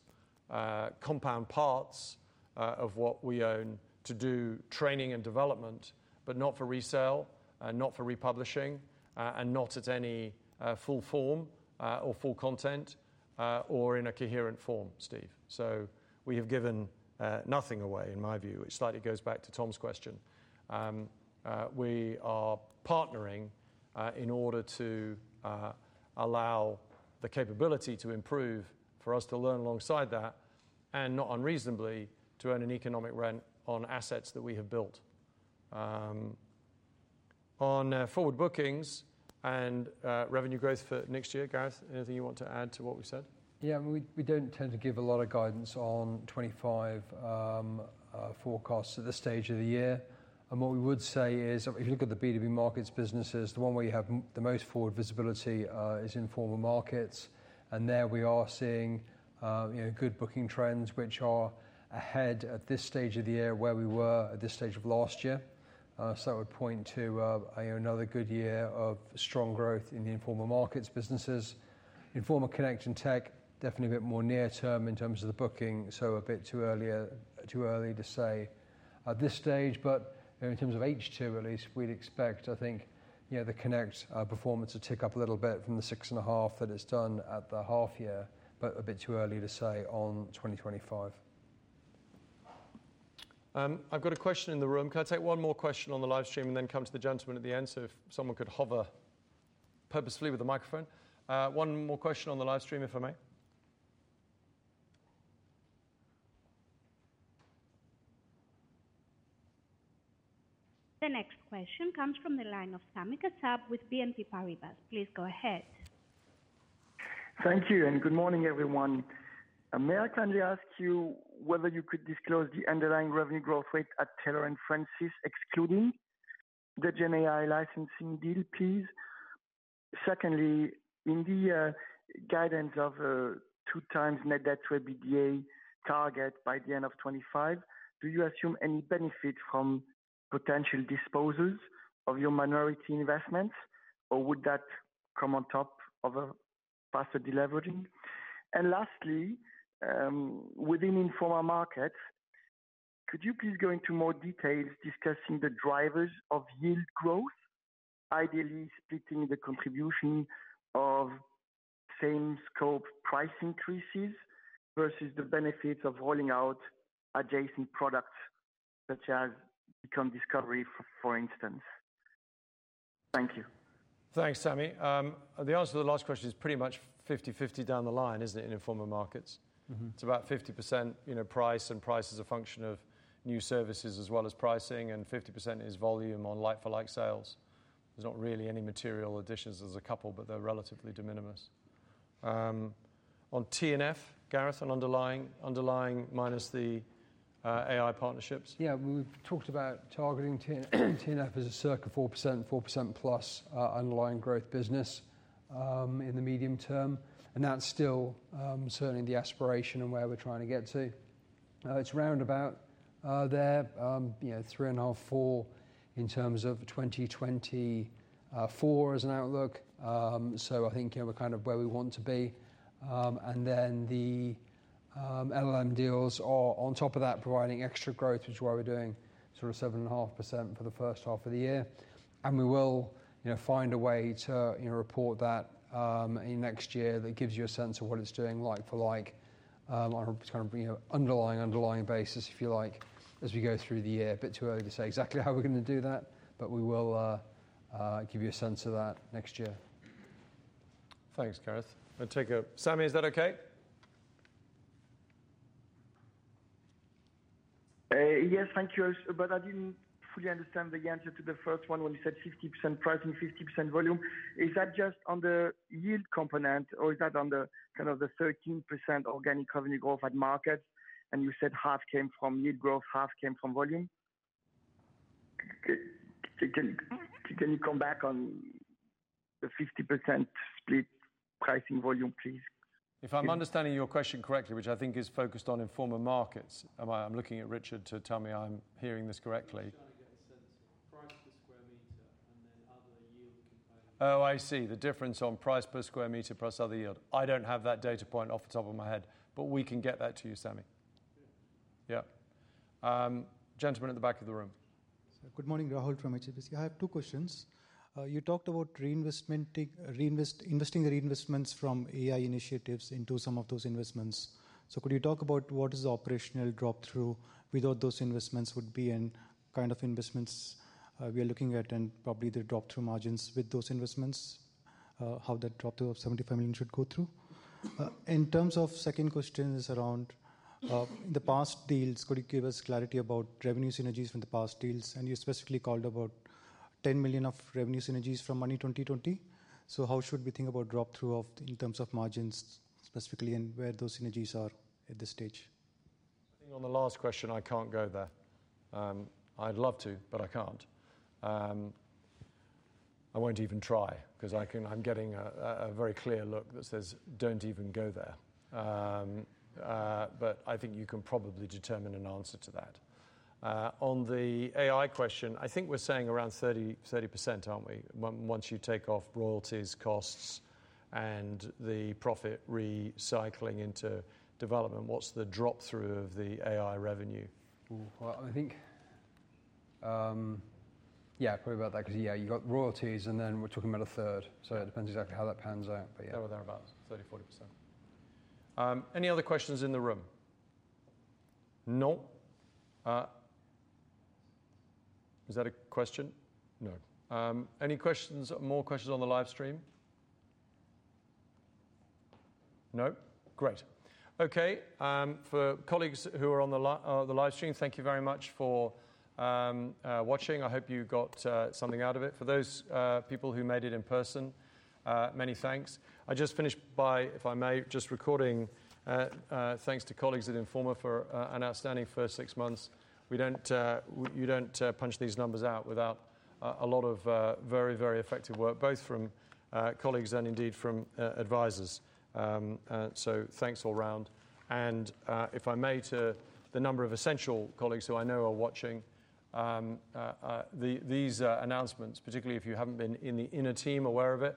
Speaker 1: compound parts, of what we own to do training and development, but not for resale and not for republishing, and not at any full form, or full content, or in a coherent form, Steve. So we have given nothing away, in my view, which slightly goes back to Tom's question. We are partnering in order to allow the capability to improve, for us to learn alongside that, and not unreasonably, to earn an economic rent on assets that we have built. On forward bookings and revenue growth for next year, Gareth, anything you want to add to what we said?
Speaker 2: Yeah, we, we don't tend to give a lot of guidance on 25, forecasts at this stage of the year. And what we would say is, if you look at the B2B markets businesses, the one where you have the most forward visibility, is in Informa Markets. And there we are seeing, you know, good booking trends which are ahead at this stage of the year, where we were at this stage of last year. So I would point to, you know, another good year of strong growth in the Informa Markets businesses. Informa Connect and tech, definitely a bit more near term in terms of the booking, so a bit too early to say at this stage. But in terms of H2 at least, we'd expect, I think, you know, the Connect performance to tick up a little bit from the 6.5 that it's done at the half year, but a bit too early to say on 2025.
Speaker 1: I've got a question in the room. Can I take one more question on the live stream and then come to the gentleman at the end? So if someone could hover purposefully with the microphone. One more question on the live stream, if I may.
Speaker 7: The next question comes from the line of Sami Kassab with BNP Paribas. Please go ahead.
Speaker 10: Thank you and good morning, everyone. May I kindly ask you whether you could disclose the underlying revenue growth rate at Taylor & Francis, excluding the Gen AI licensing deal, please? Secondly, in the guidance of 2x net debt to EBITDA target by the end of 2025, do you assume any benefit from potential disposals of your minority investments, or would that come on top of a faster deleveraging? And lastly, within Informa Markets, could you please go into more details discussing the drivers of yield growth, ideally splitting the contribution of same scope price increases versus the benefits of rolling out adjacent products, such as discovery, for instance? Thank you.
Speaker 1: Thanks, Sami. The answer to the last question is pretty much 50/50 down the line, isn't it, in Informa Markets?
Speaker 2: Mm-hmm.
Speaker 1: It's about 50%, you know, price, and price is a function of new services as well as pricing, and 50% is volume on like-for-like sales. There's not really any material additions. There's a couple, but they're relatively de minimis. On T&F, Gareth, on underlying, underlying minus the AI partnerships.
Speaker 2: Yeah, we've talked about targeting T&F, T&F as a circa 4%, 4%+ underlying growth business, in the medium term, and that's still certainly the aspiration and where we're trying to get to. It's round about there, you know, 3.5-4% in terms of 2024 as an outlook. So I think, you know, we're kind of where we want to be. And then the LLM deals are on top of that, providing extra growth, which is why we're doing sort of 7.5% for the first half of the year. We will, you know, find a way to, you know, report that in next year that gives you a sense of what it's doing, like for like, on kind of, you know, underlying, underlying basis, if you like, as we go through the year. A bit too early to say exactly how we're going to do that, but we will give you a sense of that next year.
Speaker 1: Thanks, Gareth. I'll take. Sami, is that okay?
Speaker 10: Yes, thank you. But I didn't fully understand the answer to the first one when you said 50% price and 50% volume. Is that just on the yield component, or is that on the, kind of the 13% organic revenue growth at markets, and you said half came from yield growth, half came from volume? Can you come back on the 50% split pricing volume, please?
Speaker 1: If I'm understanding your question correctly, which I think is focused on Informa Markets. Am I. I'm looking at Richard to tell me I'm hearing this correctly.
Speaker 2: Trying to get a sense of price per square meter and then other yield components.
Speaker 1: Oh, I see. The difference on price per square meter plus other yield. I don't have that data point off the top of my head, but we can get that to you, Sami.
Speaker 10: Good.
Speaker 1: Yeah. Gentleman at the back of the room.
Speaker 11: Good morning. Rahul from HSBC. I have two questions. You talked about reinvestment, investing the reinvestments from AI initiatives into some of those investments. So could you talk about what is the operational drop-through without those investments would be and kind of investments we are looking at, and probably the drop-through margins with those investments, how that drop-through of 75 million should go through? In terms of second question is around the past deals. Could you give us clarity about revenue synergies from the past deals? And you specifically called out 10 million of revenue synergies from Money20/20. So how should we think about drop-through in terms of margins specifically, and where those synergies are at this stage?
Speaker 1: I think on the last question, I can't go there. I'd love to, but I can't. I won't even try, because I can. I'm getting a very clear look that says, "Don't even go there." But I think you can probably determine an answer to that. On the AI question, I think we're saying around 30, 30%, aren't we? Once you take off royalties, costs, and the profit recycling into development, what's the drop-through of the AI revenue?
Speaker 2: Well, I think, yeah, probably about that, because, yeah, you got royalties and then we're talking about a third. So it depends exactly how that pans out, but yeah.
Speaker 1: Thereabout 30%-40%. Any other questions in the room? No? Is that a question? No. Any questions, more questions on the live stream? No. Great. Okay, for colleagues who are on the live stream, thank you very much for watching. I hope you got something out of it. For those people who made it in person, many thanks. I just finish by, if I may, just recording thanks to colleagues at Informa for an outstanding first six months. We don't, you don't, punch these numbers out without a lot of very, very effective work, both from colleagues and indeed from advisors. Thanks all round, and if I may, to the number of Ascential colleagues who I know are watching, these announcements, particularly if you haven't been in the inner team aware of it,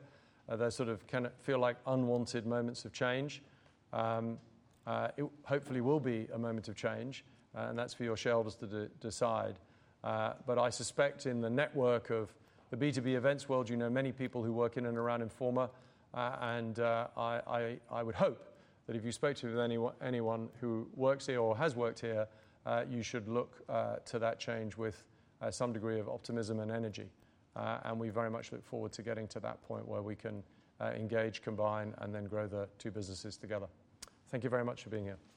Speaker 1: they sort of kind of feel like unwanted moments of change. It hopefully will be a moment of change, and that's for your shareholders to decide. But I suspect in the network of the B2B events world, you know many people who work in and around Informa, and I would hope that if you spoke to anyone, anyone who works here or has worked here, you should look to that change with some degree of optimism and energy. We very much look forward to getting to that point where we can engage, combine, and then grow the two businesses together. Thank you very much for being here.